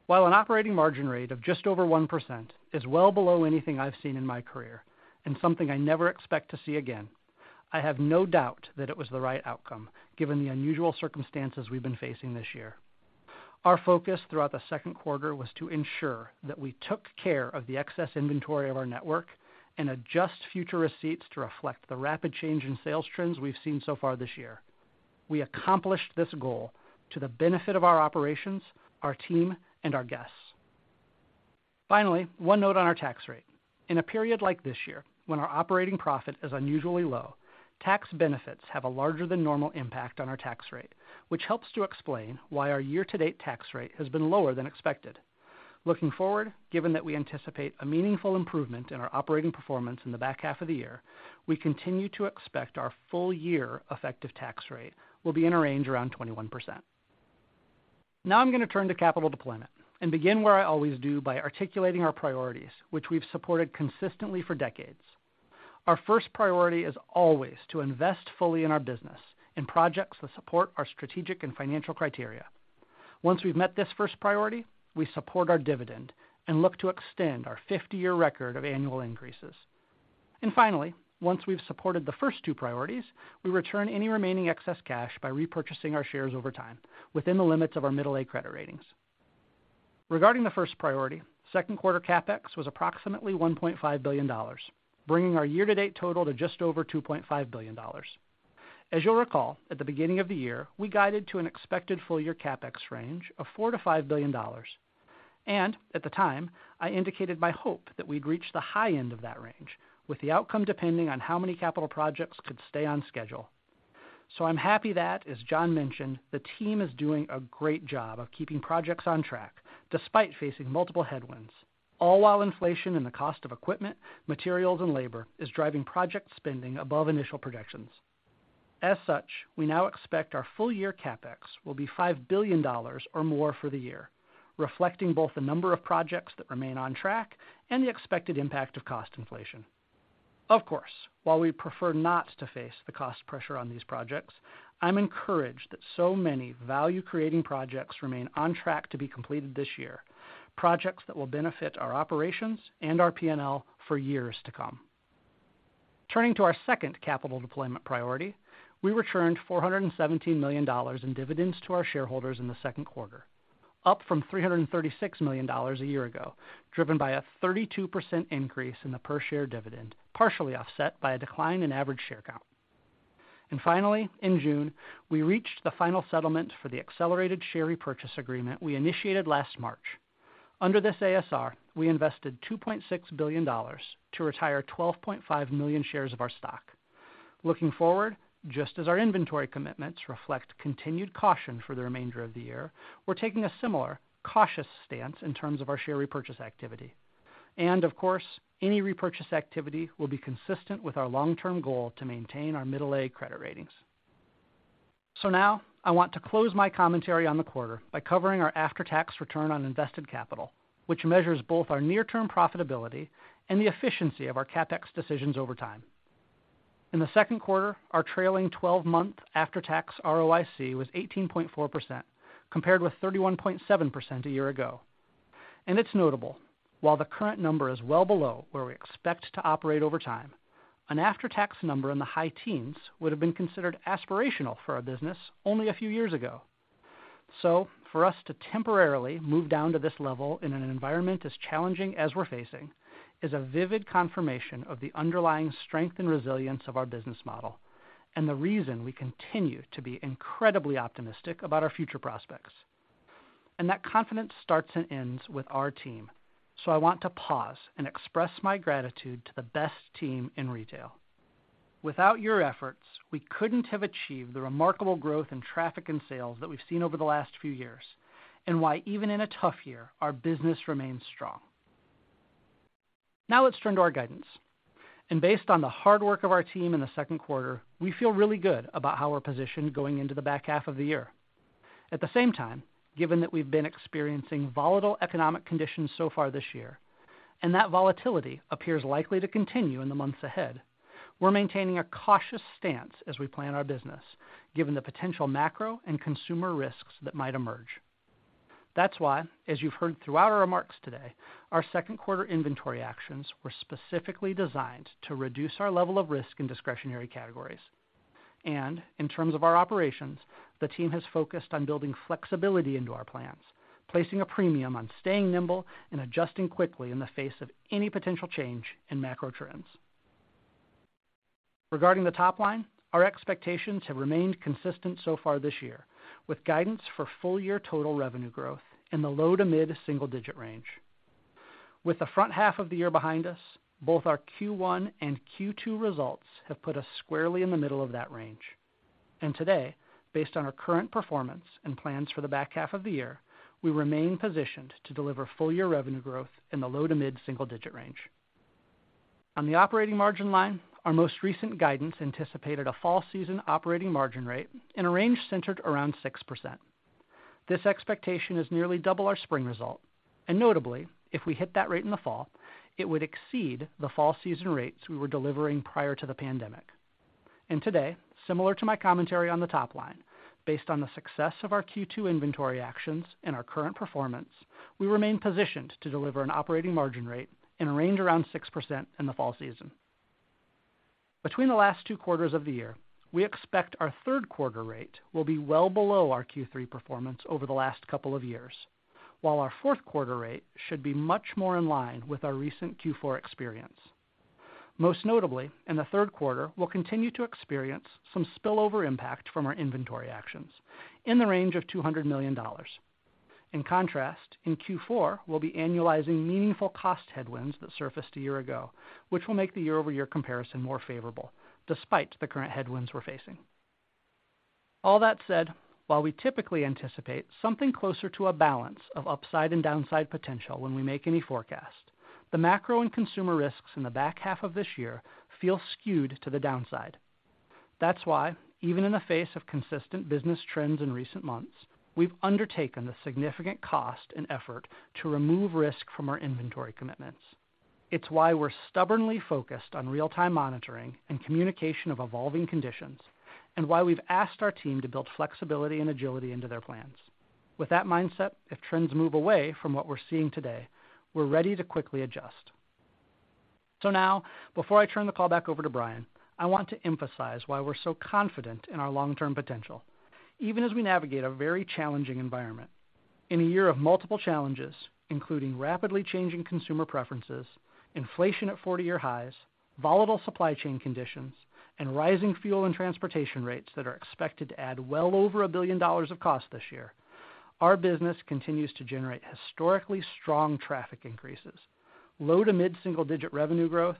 S6: While an operating margin rate of just over 1% is well below anything I've seen in my career and something I never expect to see again, I have no doubt that it was the right outcome given the unusual circumstances we've been facing this year. Our focus throughout the second quarter was to ensure that we took care of the excess inventory of our network and adjust future receipts to reflect the rapid change in sales trends we've seen so far this year. We accomplished this goal to the benefit of our operations, our team, and our guests. Finally, one note on our tax rate. In a period like this year, when our operating profit is unusually low, tax benefits have a larger than normal impact on our tax rate, which helps to explain why our year-to-date tax rate has been lower than expected. Looking forward, given that we anticipate a meaningful improvement in our operating performance in the back half of the year, we continue to expect our full-year effective tax rate will be in a range around 21%. Now I'm going to turn to capital deployment and begin where I always do by articulating our priorities, which we've supported consistently for decades. Our first priority is always to invest fully in our business, in projects that support our strategic and financial criteria. Once we've met this first priority, we support our dividend and look to extend our 50-year record of annual increases. Finally, once we've supported the first two priorities, we return any remaining excess cash by repurchasing our shares over time within the limits of our middle A credit ratings. Regarding the first priority, second quarter CapEx was approximately $1.5 billion, bringing our year-to-date total to just over $2.5 billion. As you'll recall, at the beginning of the year, we guided to an expected full-year CapEx range of $4 billion-$5 billion. At the time, I indicated my hope that we'd reach the high end of that range with the outcome depending on how many capital projects could stay on schedule. I'm happy that, as John mentioned, the team is doing a great job of keeping projects on track despite facing multiple headwinds, all while inflation and the cost of equipment, materials, and labor is driving project spending above initial projections. As such, we now expect our full year CapEx will be $5 billion or more for the year, reflecting both the number of projects that remain on track and the expected impact of cost inflation. Of course, while we prefer not to face the cost pressure on these projects, I'm encouraged that so many value-creating projects remain on track to be completed this year, projects that will benefit our operations and our P&L for years to come. Turning to our second capital deployment priority, we returned $417 million in dividends to our shareholders in the second quarter, up from $336 million a year ago, driven by a 32% increase in the per-share dividend, partially offset by a decline in average share count. Finally, in June, we reached the final settlement for the accelerated share repurchase agreement we initiated last March. Under this ASR, we invested $2.6 billion to retire 12.5 million shares of our stock. Looking forward, just as our inventory commitments reflect continued caution for the remainder of the year, we're taking a similar cautious stance in terms of our share repurchase activity. Of course, any repurchase activity will be consistent with our long-term goal to maintain our middle A credit ratings. Now I want to close my commentary on the quarter by covering our after-tax return on invested capital, which measures both our near-term profitability and the efficiency of our CapEx decisions over time. In the second quarter, our trailing 12-month after-tax ROIC was 18.4%, compared with 31.7% a year ago. It's notable, while the current number is well below where we expect to operate over time, an after-tax number in the high teens would have been considered aspirational for our business only a few years ago. For us to temporarily move down to this level in an environment as challenging as we're facing is a vivid confirmation of the underlying strength and resilience of our business model and the reason we continue to be incredibly optimistic about our future prospects. That confidence starts and ends with our team. I want to pause and express my gratitude to the best team in retail. Without your efforts, we couldn't have achieved the remarkable growth in traffic and sales that we've seen over the last few years, and why, even in a tough year, our business remains strong. Now let's turn to our guidance. Based on the hard work of our team in the second quarter, we feel really good about how we're positioned going into the back half of the year. At the same time, given that we've been experiencing volatile economic conditions so far this year, and that volatility appears likely to continue in the months ahead, we're maintaining a cautious stance as we plan our business, given the potential macro and consumer risks that might emerge. That's why, as you've heard through our remarks today, our second quarter inventory actions were specifically designed to reduce our level of risk in discretionary categories. In terms of our operations, the team has focused on building flexibility into our plans, placing a premium on staying nimble and adjusting quickly in the face of any potential change in macro trends. Regarding the top line, our expectations have remained consistent so far this year, with guidance for full-year total revenue growth in the low- to mid-single-digit range. With the front half of the year behind us, both our Q1 and Q2 results have put us squarely in the middle of that range. Today, based on our current performance and plans for the back half of the year, we remain positioned to deliver full-year revenue growth in the low to mid-single digit range. On the operating margin line, our most recent guidance anticipated a fall season operating margin rate in a range centered around 6%. This expectation is nearly double our spring result, and notably, if we hit that rate in the fall, it would exceed the fall season rates we were delivering prior to the pandemic. Today, similar to my commentary on the top line, based on the success of our Q2 inventory actions and our current performance, we remain positioned to deliver an operating margin rate in a range around 6% in the fall season. Between the last two quarters of the year, we expect our third quarter rate will be well below our Q3 performance over the last couple of years, while our fourth quarter rate should be much more in line with our recent Q4 experience. Most notably, in the third quarter, we'll continue to experience some spillover impact from our inventory actions in the range of $200 million. In contrast, in Q4, we'll be annualizing meaningful cost headwinds that surfaced a year ago, which will make the year-over-year comparison more favorable despite the current headwinds we're facing. All that said, while we typically anticipate something closer to a balance of upside and downside potential when we make any forecast, the macro and consumer risks in the back half of this year feel skewed to the downside. That's why even in the face of consistent business trends in recent months, we've undertaken the significant cost and effort to remove risk from our inventory commitments. It's why we're stubbornly focused on real-time monitoring and communication of evolving conditions and why we've asked our team to build flexibility and agility into their plans. With that mindset, if trends move away from what we're seeing today, we're ready to quickly adjust. Now, before I turn the call back over to Brian, I want to emphasize why we're so confident in our long-term potential, even as we navigate a very challenging environment. In a year of multiple challenges, including rapidly changing consumer preferences, inflation at 40-year highs, volatile supply chain conditions, and rising fuel and transportation rates that are expected to add well over $1 billion of cost this year. Our business continues to generate historically strong traffic increases, low- to mid-single-digit% revenue growth,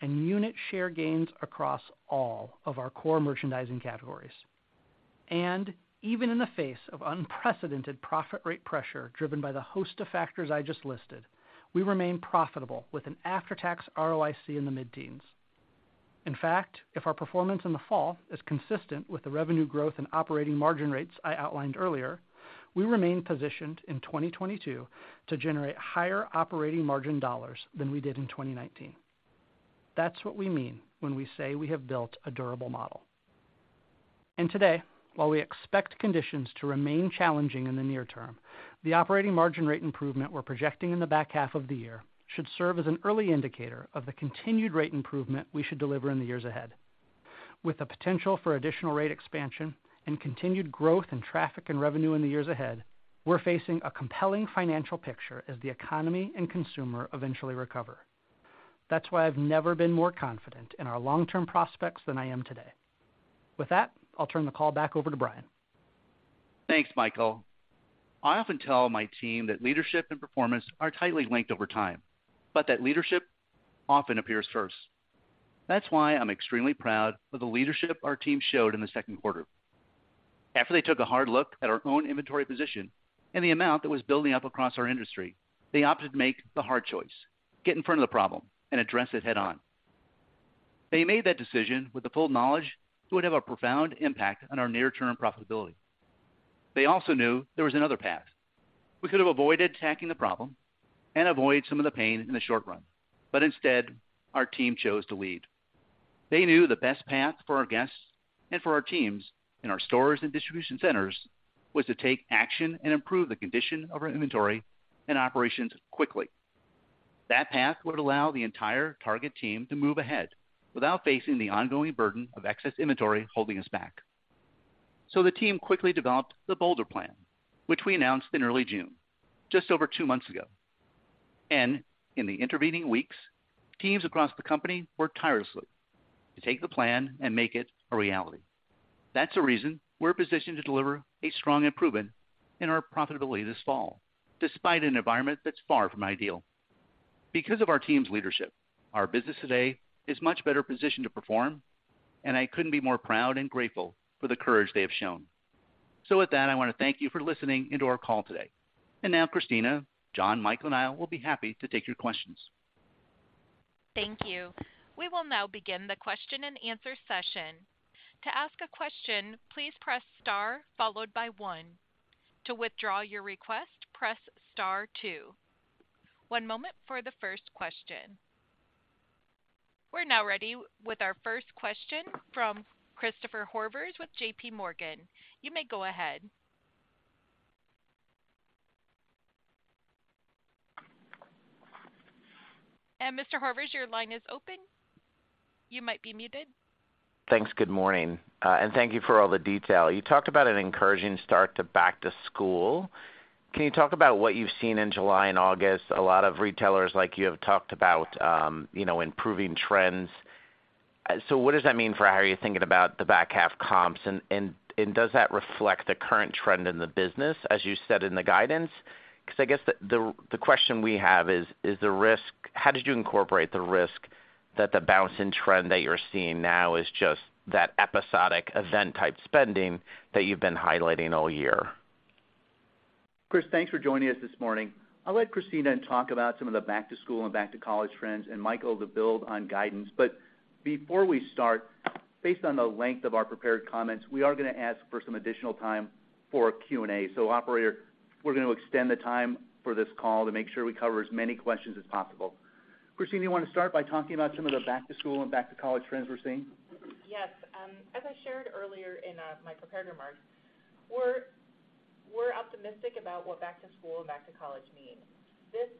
S6: and unit share gains across all of our core merchandising categories. Even in the face of unprecedented profit rate pressure driven by the host of factors I just listed, we remain profitable with an after-tax ROIC in the mid-teens%. In fact, if our performance in the fall is consistent with the revenue growth and operating margin rates I outlined earlier, we remain positioned in 2022 to generate higher operating margin dollars than we did in 2019. That's what we mean when we say we have built a durable model. Today, while we expect conditions to remain challenging in the near term, the operating margin rate improvement we're projecting in the back half of the year should serve as an early indicator of the continued rate improvement we should deliver in the years ahead. With the potential for additional rate expansion and continued growth in traffic and revenue in the years ahead, we're facing a compelling financial picture as the economy and consumer eventually recover. That's why I've never been more confident in our long-term prospects than I am today. With that, I'll turn the call back over to Brian.
S3: Thanks, Michael. I often tell my team that leadership and performance are tightly linked over time, but that leadership often appears first. That's why I'm extremely proud of the leadership our team showed in the second quarter. After they took a hard look at our own inventory position and the amount that was building up across our industry, they opted to make the hard choice, get in front of the problem and address it head on. They made that decision with the full knowledge it would have a profound impact on our near-term profitability. They also knew there was another path. We could have avoided attacking the problem and avoid some of the pain in the short run. Instead, our team chose to lead. They knew the best path for our guests and for our teams in our stores and distribution centers was to take action and improve the condition of our inventory and operations quickly. That path would allow the entire Target team to move ahead without facing the ongoing burden of excess inventory holding us back. The team quickly developed the bolder plan, which we announced in early June, just over two months ago. In the intervening weeks, teams across the company worked tirelessly to take the plan and make it a reality. That's the reason we're positioned to deliver a strong improvement in our profitability this fall, despite an environment that's far from ideal. Because of our team's leadership, our business today is much better positioned to perform, and I couldn't be more proud and grateful for the courage they have shown. With that, I wanna thank you for listening into our call today. Now Christina, John, Michael, and I will be happy to take your questions.
S1: Thank you. We will now begin the question-and-answer session. To ask a question, please press Star, followed by one. To withdraw your request, press Star two. One moment for the first question. We're now ready with our first question from Christopher Horvers with JPMorgan. You may go ahead. Mr. Horvers, your line is open. You might be muted.
S7: Thanks. Good morning, and thank you for all the detail. You talked about an encouraging start to back to school. Can you talk about what you've seen in July and August? A lot of retailers like you have talked about, you know, improving trends. So what does that mean for how you're thinking about the back half comps? And does that reflect the current trend in the business as you said in the guidance? 'Cause I guess the question we have is, how did you incorporate the risk that the bounce in trend that you're seeing now is just that episodic event type spending that you've been highlighting all year?
S3: Chris, thanks for joining us this morning. I'll let Christina talk about some of the back to school and back to college trends and Michael to build on guidance. Before we start, based on the length of our prepared comments, we are gonna ask for some additional time for Q&A. Operator, we're gonna extend the time for this call to make sure we cover as many questions as possible. Christina, you wanna start by talking about some of the back to school and back to college trends we're seeing?
S4: Yes. As I shared earlier in my prepared remarks, we're optimistic about what back to school and back to college mean. This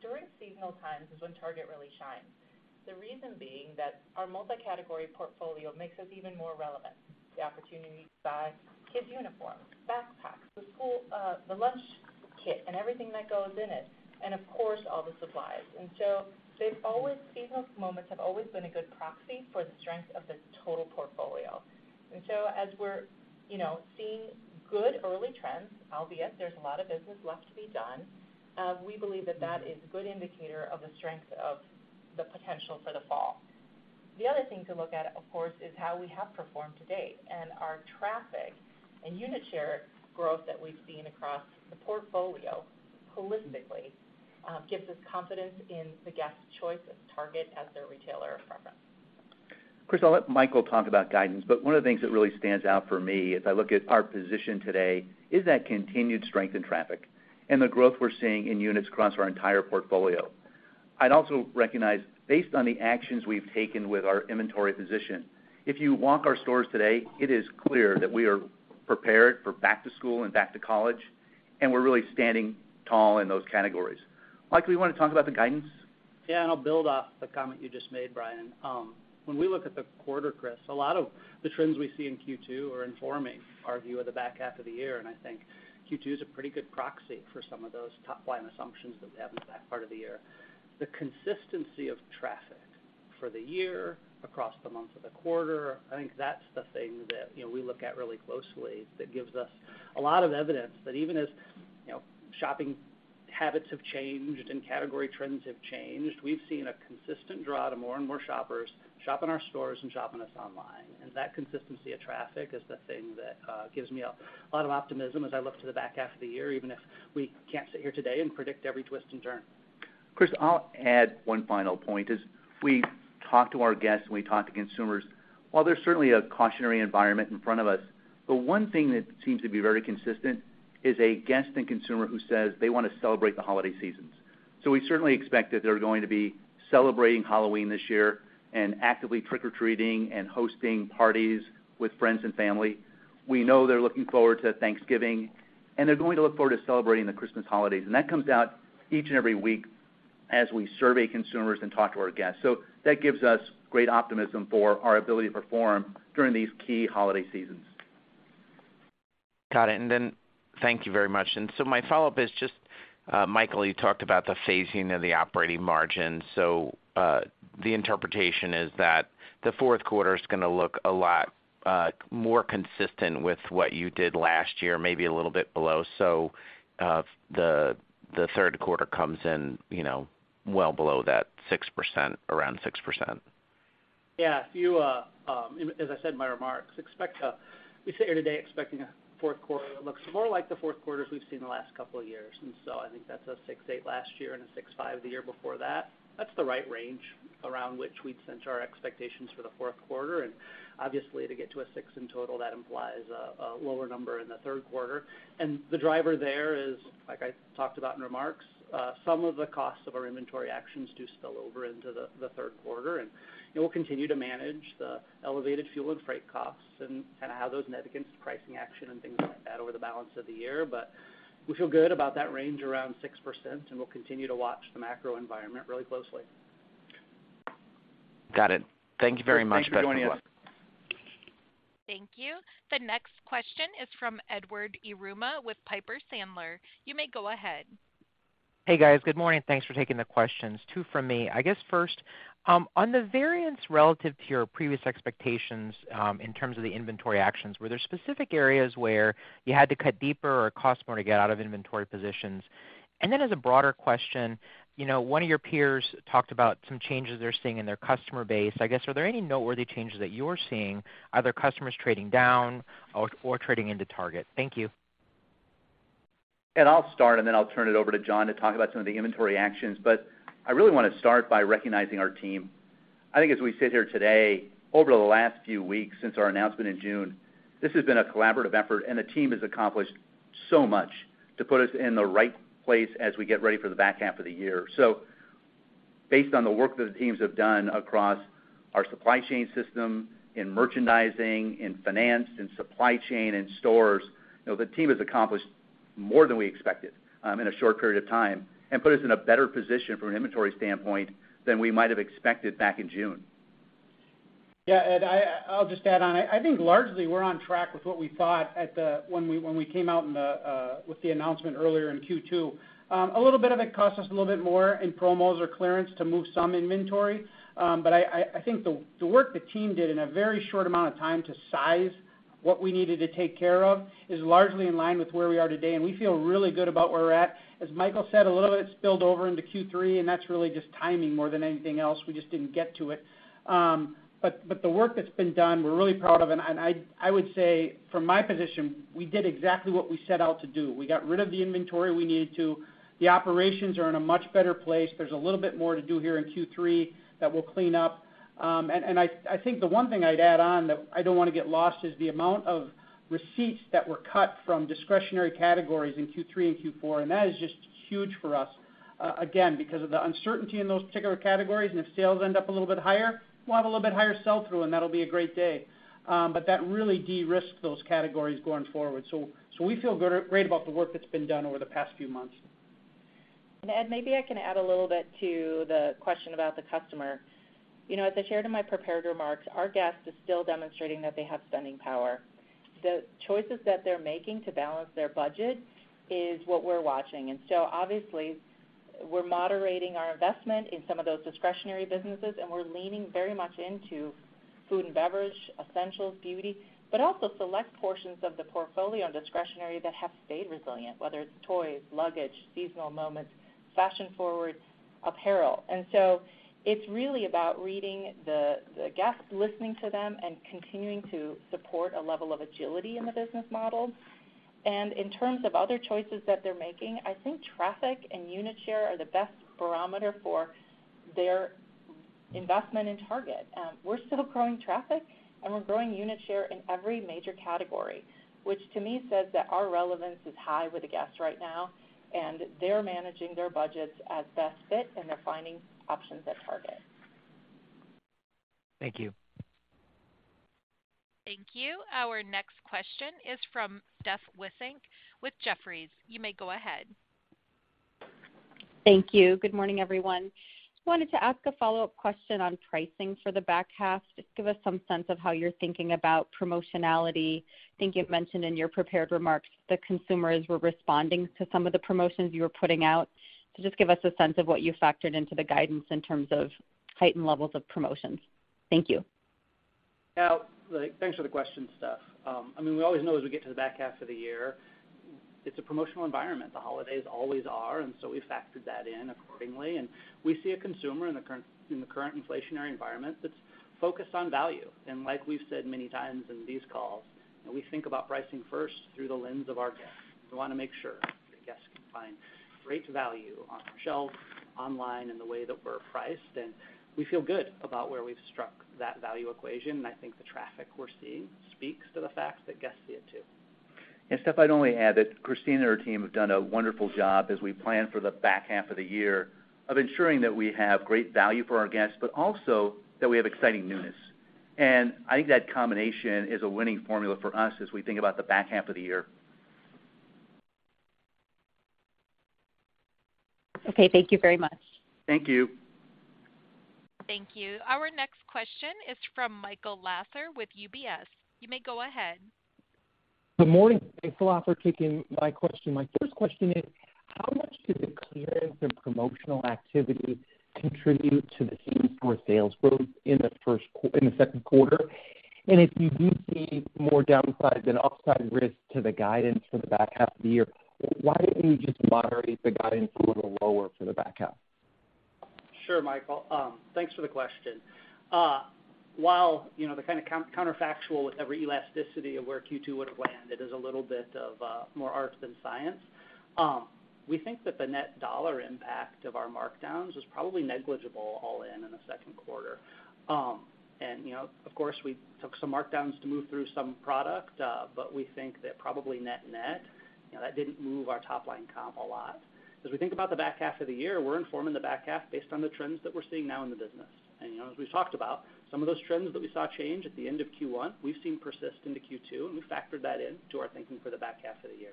S4: during seasonal times is when Target really shines. The reason being that our multi-category portfolio makes us even more relevant. The opportunity to buy kids uniforms, backpacks, the school, the lunch kit and everything that goes in it, and of course, all the supplies. Seasonal moments have always been a good proxy for the strength of this total portfolio. As we're, you know, seeing good early trends, albeit there's a lot of business left to be done, we believe that is a good indicator of the strength of the potential for the fall. The other thing to look at, of course, is how we have performed to date. Our traffic and unit share growth that we've seen across the portfolio holistically gives us confidence in the guest choice of Target as their retailer of preference.
S3: Chris, I'll let Michael talk about guidance, but one of the things that really stands out for me as I look at our position today is that continued strength in traffic and the growth we're seeing in units across our entire portfolio. I'd also recognize, based on the actions we've taken with our inventory position, if you walk our stores today, it is clear that we are prepared for back to school and back to college, and we're really standing tall in those categories. Mike, we wanna talk about the guidance.
S6: Yeah, I'll build off the comment you just made, Brian. When we look at the quarter, Chris, a lot of the trends we see in Q2 are informing our view of the back half of the year, and I think Q2 is a pretty good proxy for some of those top line assumptions that we have in the back part of the year. The consistency of traffic for the year, across the months of the quarter, I think that's the thing that, you know, we look at really closely that gives us a lot of evidence that even as, you know, shopping habits have changed and category trends have changed, we've seen a consistent draw to more and more shoppers shop in our stores and shopping with us online. That consistency of traffic is the thing that gives me a lot of optimism as I look to the back half of the year, even if we can't sit here today and predict every twist and turn.
S3: Chris, I'll add one final point is we talk to our guests and we talk to consumers. While there's certainly a cautionary environment in front of us, the one thing that seems to be very consistent is a guest and consumer who says they wanna celebrate the holiday seasons. We certainly expect that they're going to be celebrating Halloween this year and actively trick-or-treating and hosting parties with friends and family. We know they're looking forward to Thanksgiving, and they're going to look forward to celebrating the Christmas holidays. That comes out each and every week as we survey consumers and talk to our guests. That gives us great optimism for our ability to perform during these key holiday seasons.
S7: Got it. Thank you very much. My follow-up is just, Michael, you talked about the phasing of the operating margin. The interpretation is that the fourth quarter is gonna look a lot more consistent with what you did last year, maybe a little bit below. The third quarter comes in, you know, well below that 6%, around 6%.
S6: Yeah. If you, as I said in my remarks, we sit here today expecting a fourth quarter that looks more like the fourth quarters we've seen the last couple of years. I think that's a 6.8% last year and a 6.5% the year before that. That's the right range around which we'd center our expectations for the fourth quarter. Obviously, to get to a 6% in total, that implies a lower number in the third quarter. The driver there is, like I talked about in remarks, some of the costs of our inventory actions do spill over into the third quarter, and we'll continue to manage the elevated fuel and freight costs and how those net against pricing action and things like that over the balance of the year. We feel good about that range around 6%, and we'll continue to watch the macro environment really closely.
S4: Got it. Thank you very much.
S6: Thanks for joining us.
S3: Thanks for joining us.
S1: Thank you. The next question is from Edward Yruma with Piper Sandler. You may go ahead.
S8: Hey, guys. Good morning. Thanks for taking the questions. Two from me. I guess first, on the variance relative to your previous expectations, in terms of the inventory actions, were there specific areas where you had to cut deeper or cost more to get out of inventory positions? As a broader question, you know, one of your peers talked about some changes they're seeing in their customer base. I guess, are there any noteworthy changes that you're seeing? Are there customers trading down or trading into Target? Thank you.
S3: I'll start, and then I'll turn it over to John to talk about some of the inventory actions. But I really wanna start by recognizing our team. I think as we sit here today, over the last few weeks since our announcement in June, this has been a collaborative effort, and the team has accomplished so much to put us in the right place as we get ready for the back half of the year. Based on the work that the teams have done across our supply chain system, in merchandising, in finance, in supply chain, in stores, you know, the team has accomplished more than we expected, in a short period of time and put us in a better position from an inventory standpoint than we might have expected back in June.
S5: Yeah, Ed, I'll just add on. I think largely we're on track with what we thought when we came out with the announcement earlier in Q2. A little bit of it cost us a little bit more in promos or clearance to move some inventory. I think the work the team did in a very short amount of time to size what we needed to take care of is largely in line with where we are today, and we feel really good about where we're at. As Michael said, a little bit spilled over into Q3, and that's really just timing more than anything else. We just didn't get to it. The work that's been done, we're really proud of, and I would say from my position, we did exactly what we set out to do. We got rid of the inventory we needed to. The operations are in a much better place. There's a little bit more to do here in Q3 that we'll clean up. I think the one thing I'd add on that I don't wanna get lost is the amount of receipts that were cut from discretionary categories in Q3 and Q4, and that is just huge for us, again, because of the uncertainty in those particular categories. If sales end up a little bit higher, we'll have a little bit higher sell-through, and that'll be a great day. That really de-risked those categories going forward. We feel great about the work that's been done over the past few months.
S4: Ed, maybe I can add a little bit to the question about the customer. You know, as I shared in my prepared remarks, our guest is still demonstrating that they have spending power. The choices that they're making to balance their budget is what we're watching. Obviously, we're moderating our investment in some of those discretionary businesses, and we're leaning very much into food and beverage, essentials, beauty, but also select portions of the portfolio and discretionary that have stayed resilient, whether it's toys, luggage, seasonal moments, fashion-forward apparel. It's really about reading the guests, listening to them, and continuing to support a level of agility in the business model. In terms of other choices that they're making, I think traffic and unit share are the best barometer for their investment in Target. We're still growing traffic, and we're growing unit share in every major category, which to me says that our relevance is high with the guests right now, and they're managing their budgets as best fit, and they're finding options at Target.
S8: Thank you.
S1: Thank you. Our next question is from Steph Wissink with Jefferies. You may go ahead.
S9: Thank you. Good morning, everyone. Just wanted to ask a follow-up question on pricing for the back half. Just give us some sense of how you're thinking about promotionality. I think you've mentioned in your prepared remarks that consumers were responding to some of the promotions you were putting out. Just give us a sense of what you factored into the guidance in terms of heightened levels of promotions. Thank you.
S6: Now, thanks for the question, Steph. I mean, we always know as we get to the back half of the year, it's a promotional environment. The holidays always are, and so we factored that in accordingly. We see a consumer in the current inflationary environment that's focused on value. Like we've said many times in these calls, we think about pricing first through the lens of our guests. We wanna make sure our guests can find great value on our shelves, online in the way that we're priced, and we feel good about where we've struck that value equation. I think the traffic we're seeing speaks to the fact that guests see it too.
S3: Steph, I'd only add that Christina and her team have done a wonderful job as we plan for the back half of the year of ensuring that we have great value for our guests, but also that we have exciting newness. I think that combination is a winning formula for us as we think about the back half of the year.
S9: Okay, thank you very much.
S3: Thank you.
S1: Thank you. Our next question is from Michael Lasser with UBS. You may go ahead.
S10: Good morning. My first question is, how much did the clearance and promotional activity contribute to the same store sales growth in the second quarter? If you do see more downside than upside risk to the guidance for the back half of the year, why don't you just moderate the guidance a little lower for the back half?
S6: Sure, Michael, thanks for the question. While, you know, the kind of counterfactual with every elasticity of where Q2 would have landed is a little bit more art than science, we think that the net dollar impact of our markdowns is probably negligible all in the second quarter. You know, of course, we took some markdowns to move through some product, but we think that probably net-net, you know, that didn't move our top line comp a lot. As we think about the back half of the year, we're informing the back half based on the trends that we're seeing now in the business. You know, as we've talked about, some of those trends that we saw change at the end of Q1, we've seen persist into Q2, and we factored that in to our thinking for the back half of the year.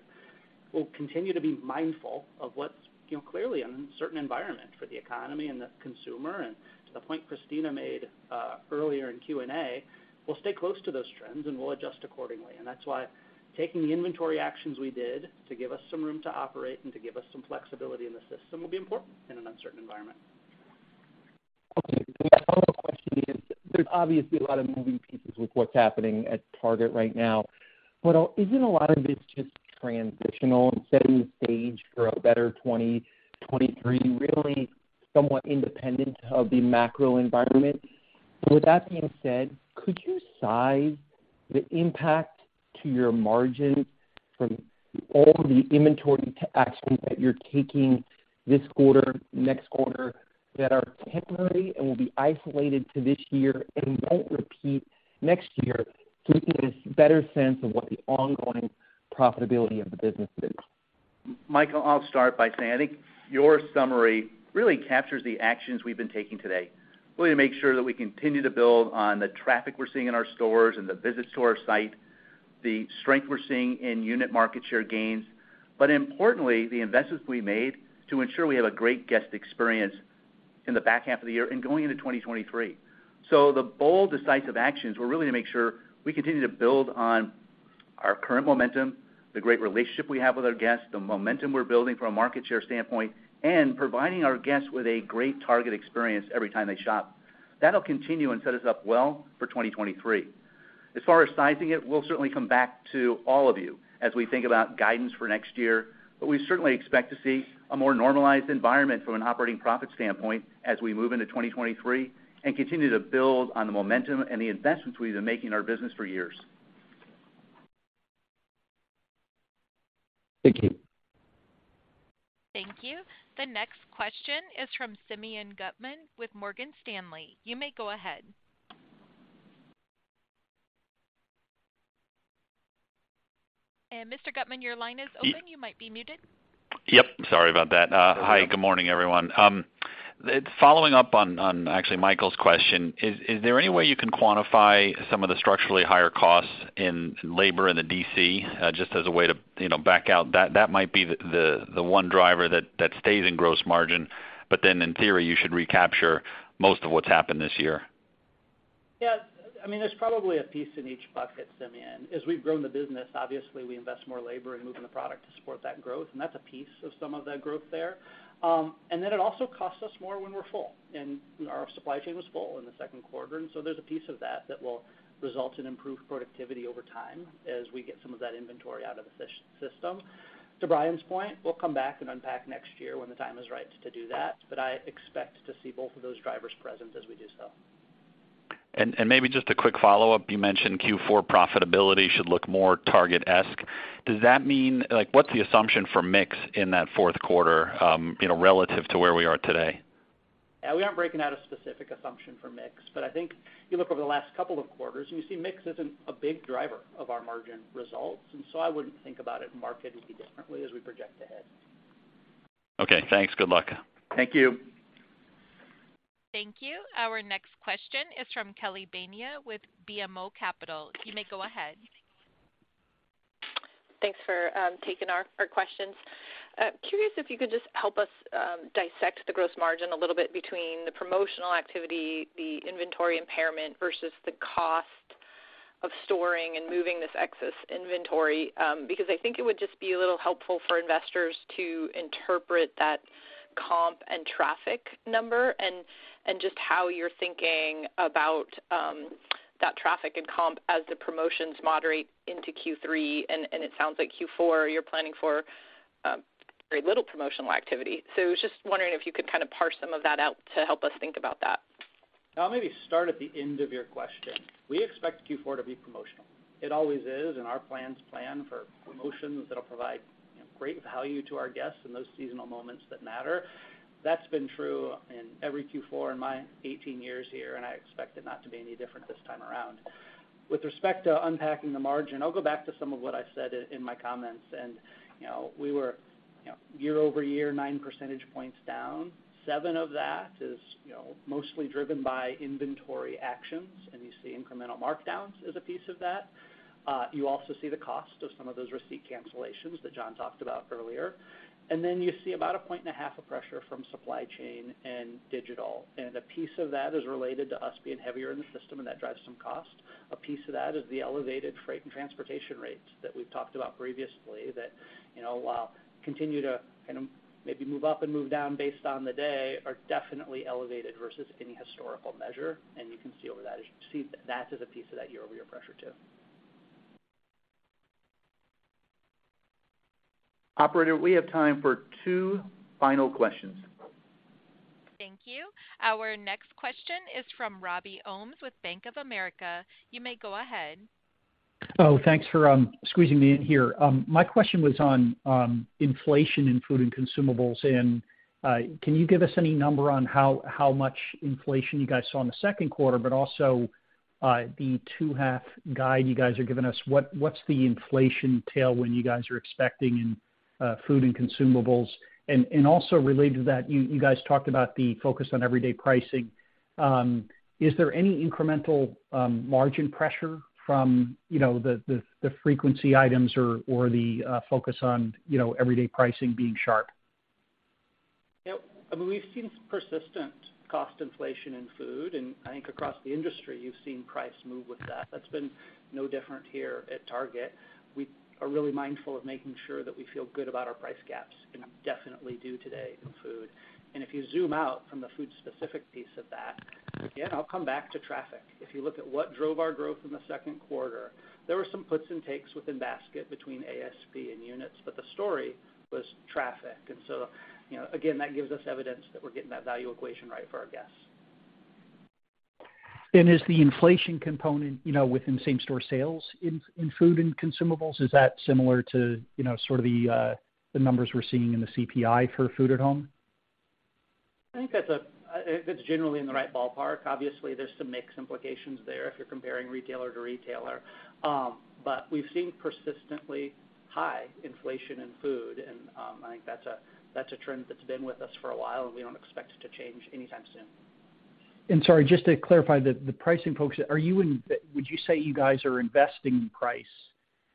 S6: We'll continue to be mindful of what's, you know, clearly an uncertain environment for the economy and the consumer. To the point Christina made, earlier in Q&A, we'll stay close to those trends and we'll adjust accordingly. That's why taking the inventory actions we did to give us some room to operate and to give us some flexibility in the system will be important in an uncertain environment.
S10: Okay. The other question is, there's obviously a lot of moving pieces with what's happening at Target right now. Isn't a lot of this just transitional and setting the stage for a better 2023, really somewhat independent of the macro environment? With that being said, could you size the impact to your margin from all the inventory actions that you're taking this quarter, next quarter that are temporary and will be isolated to this year and won't repeat next year, so we can get a better sense of what the ongoing profitability of the business is?
S3: Michael, I'll start by saying, I think your summary really captures the actions we've been taking today, really to make sure that we continue to build on the traffic we're seeing in our stores and the visits to our site, the strength we're seeing in unit market share gains, but importantly, the investments we made to ensure we have a great guest experience in the back half of the year and going into 2023. The bold, decisive actions were really to make sure we continue to build on our current momentum, the great relationship we have with our guests, the momentum we're building from a market share standpoint, and providing our guests with a great Target experience every time they shop. That'll continue and set us up well for 2023. As far as sizing it, we'll certainly come back to all of you as we think about guidance for next year. We certainly expect to see a more normalized environment from an operating profit standpoint as we move into 2023 and continue to build on the momentum and the investments we've been making in our business for years.
S10: Thank you.
S1: Thank you. The next question is from Simeon Gutman with Morgan Stanley. You may go ahead. Mr. Gutman, your line is open. You might be muted.
S11: Yep, sorry about that. Hi, good morning, everyone. Following up on actually Michael's question, is there any way you can quantify some of the structurally higher costs in labor in the DC, just as a way to, you know, back out? That might be the one driver that stays in gross margin. In theory, you should recapture most of what's happened this year.
S6: Yeah. I mean, there's probably a piece in each bucket, Simeon. As we've grown the business, obviously, we invest more labor in moving the product to support that growth, and that's a piece of some of that growth there. It also costs us more when we're full, and our supply chain was full in the second quarter. There's a piece of that that will result in improved productivity over time as we get some of that inventory out of the system. To Brian's point, we'll come back and unpack next year when the time is right to do that, but I expect to see both of those drivers present as we do so.
S11: Maybe just a quick follow-up. You mentioned Q4 profitability should look more Target-esque. Does that mean, like, what's the assumption for mix in that fourth quarter, you know, relative to where we are today?
S6: Yeah, we aren't breaking out a specific assumption for mix. I think if you look over the last couple of quarters and you see mix isn't a big driver of our margin results. I wouldn't think about it markedly differently as we project ahead.
S11: Okay, thanks. Good luck.
S3: Thank you.
S1: Thank you. Our next question is from Kelly Bania with BMO Capital. You may go ahead.
S12: Thanks for taking our questions. Curious if you could just help us dissect the gross margin a little bit between the promotional activity, the inventory impairment versus the cost. Of storing and moving this excess inventory. Because I think it would just be a little helpful for investors to interpret that comp and traffic number and just how you're thinking about that traffic and comp as the promotions moderate into Q3, and it sounds like Q4 you're planning for very little promotional activity. So I was just wondering if you could kind of parse some of that out to help us think about that.
S6: I'll maybe start at the end of your question. We expect Q4 to be promotional. It always is, and our plans plan for promotions that'll provide, you know, great value to our guests in those seasonal moments that matter. That's been true in every Q4 in my 18 years here, and I expect it not to be any different this time around. With respect to unpacking the margin, I'll go back to some of what I said in my comments. You know, we were, you know, year-over-year 9 percentage points down. 7 of that is, you know, mostly driven by inventory actions, and you see incremental markdowns as a piece of that. You also see the cost of some of those receipt cancellations that John talked about earlier. You see about 1.5 points of pressure from supply chain and digital. A piece of that is related to us being heavier in the system, and that drives some cost. A piece of that is the elevated freight and transportation rates that we've talked about previously that, you know, while continue to kind of maybe move up and move down based on the day, are definitely elevated versus any historical measure. You can see where that is. See that as a piece of that year-over-year pressure too.
S3: Operator, we have time for two final questions.
S1: Thank you. Our next question is from Robbie Ohmes with Bank of America. You may go ahead.
S13: Oh, thanks for squeezing me in here. My question was on inflation in food and consumables. Can you give us any number on how much inflation you guys saw in the second quarter, but also the second half guide you guys are giving us? What's the inflation tailwind you guys are expecting in food and consumables? Also related to that, you guys talked about the focus on everyday pricing. Is there any incremental margin pressure from, you know, the frequency items or the focus on, you know, everyday pricing being sharp?
S6: Yeah. I mean, we've seen persistent cost inflation in food, and I think across the industry you've seen prices move with that. That's been no different here at Target. We are really mindful of making sure that we feel good about our price gaps, and we definitely do today in food. If you zoom out from the food-specific piece of that, again, I'll come back to traffic. If you look at what drove our growth in the second quarter, there were some puts and takes within basket between ASP and units, but the story was traffic. You know, again, that gives us evidence that we're getting that value equation right for our guests.
S13: Is the inflation component, you know, within same store sales in food and consumables, is that similar to, you know, sort of the numbers we're seeing in the CPI for food at home?
S6: I think it's generally in the right ballpark. Obviously, there's some mix implications there if you're comparing retailer to retailer. We've seen persistently high inflation in food, and I think that's a trend that's been with us for a while and we don't expect it to change anytime soon.
S13: Sorry, just to clarify, the pricing folks, would you say you guys are investing in price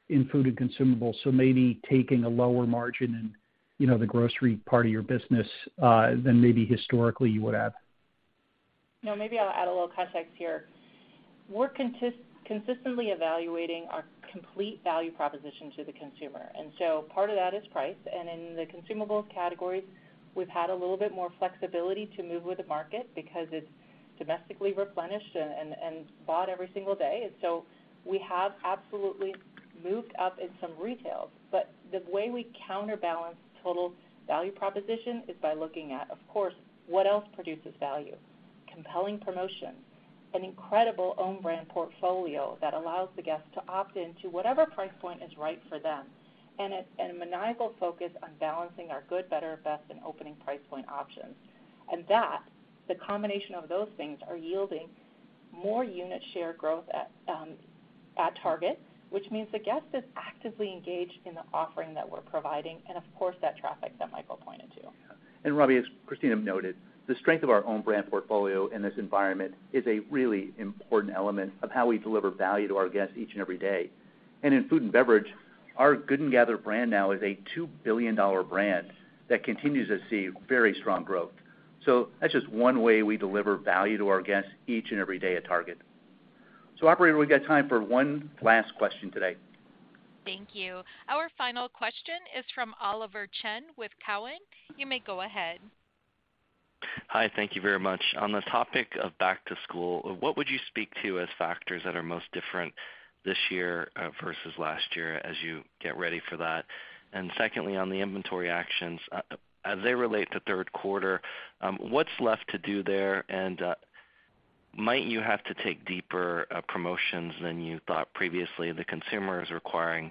S13: in food and consumables, so maybe taking a lower margin in, you know, the grocery part of your business, than maybe historically you would have?
S4: No, maybe I'll add a little context here. We're consistently evaluating our complete value proposition to the consumer, and so part of that is price. In the consumables categories, we've had a little bit more flexibility to move with the market because it's domestically replenished and bought every single day. We have absolutely moved up in some retail. The way we counterbalance total value proposition is by looking at, of course, what else produces value. Compelling promotions, an incredible own brand portfolio that allows the guests to opt into whatever price point is right for them, and a maniacal focus on balancing our good, better, best and opening price point options. that the combination of those things are yielding more unit share growth at Target, which means the guest is actively engaged in the offering that we're providing, and of course that traffic that Michael pointed to.
S3: Robbie, as Christina noted, the strength of our own brand portfolio in this environment is a really important element of how we deliver value to our guests each and every day. In food and beverage, our Good & Gather brand now is a $2 billion brand that continues to see very strong growth. That's just one way we deliver value to our guests each and every day at Target. Operator, we've got time for one last question today.
S1: Thank you. Our final question is from Oliver Chen with Cowen. You may go ahead.
S14: Hi. Thank you very much. On the topic of back to school, what would you speak to as factors that are most different this year versus last year as you get ready for that? Secondly, on the inventory actions as they relate to third quarter, what's left to do there? Might you have to take deeper promotions than you thought previously? The consumer is requiring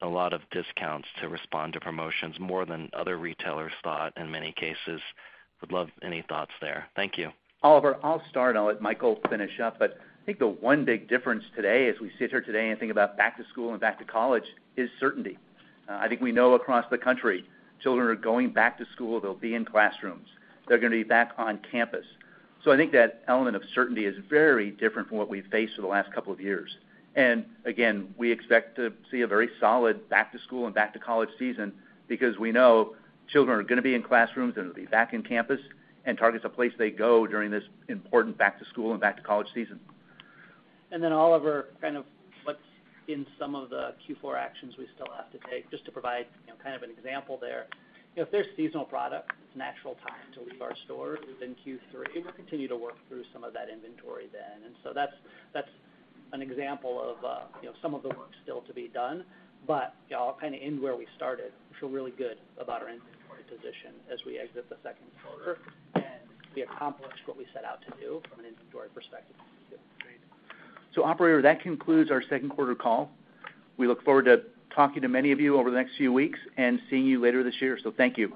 S14: a lot of discounts to respond to promotions more than other retailers thought in many cases. Would love any thoughts there. Thank you.
S3: Oliver, I'll start, and I'll let Michael finish up. I think the one big difference today as we sit here today and think about back to school and back to college is certainty. I think we know across the country children are going back to school, they'll be in classrooms, they're gonna be back on campus. I think that element of certainty is very different from what we've faced for the last couple of years. Again, we expect to see a very solid back to school and back to college season because we know children are gonna be in classrooms, they're gonna be back on campus, and Target's a place they go during this important back to school and back to college season.
S6: Oliver, kind of what's in some of the Q4 actions we still have to take, just to provide, you know, kind of an example there. You know, if there's seasonal product, it's natural time to leave our stores within Q3, we'll continue to work through some of that inventory then. That's an example of, you know, some of the work still to be done. Y'all, I'll kind of end where we started. We feel really good about our inventory position as we exit the second quarter, and we accomplished what we set out to do from an inventory perspective.
S3: Great. Operator, that concludes our second quarter call. We look forward to talking to many of you over the next few weeks and seeing you later this year. Thank you.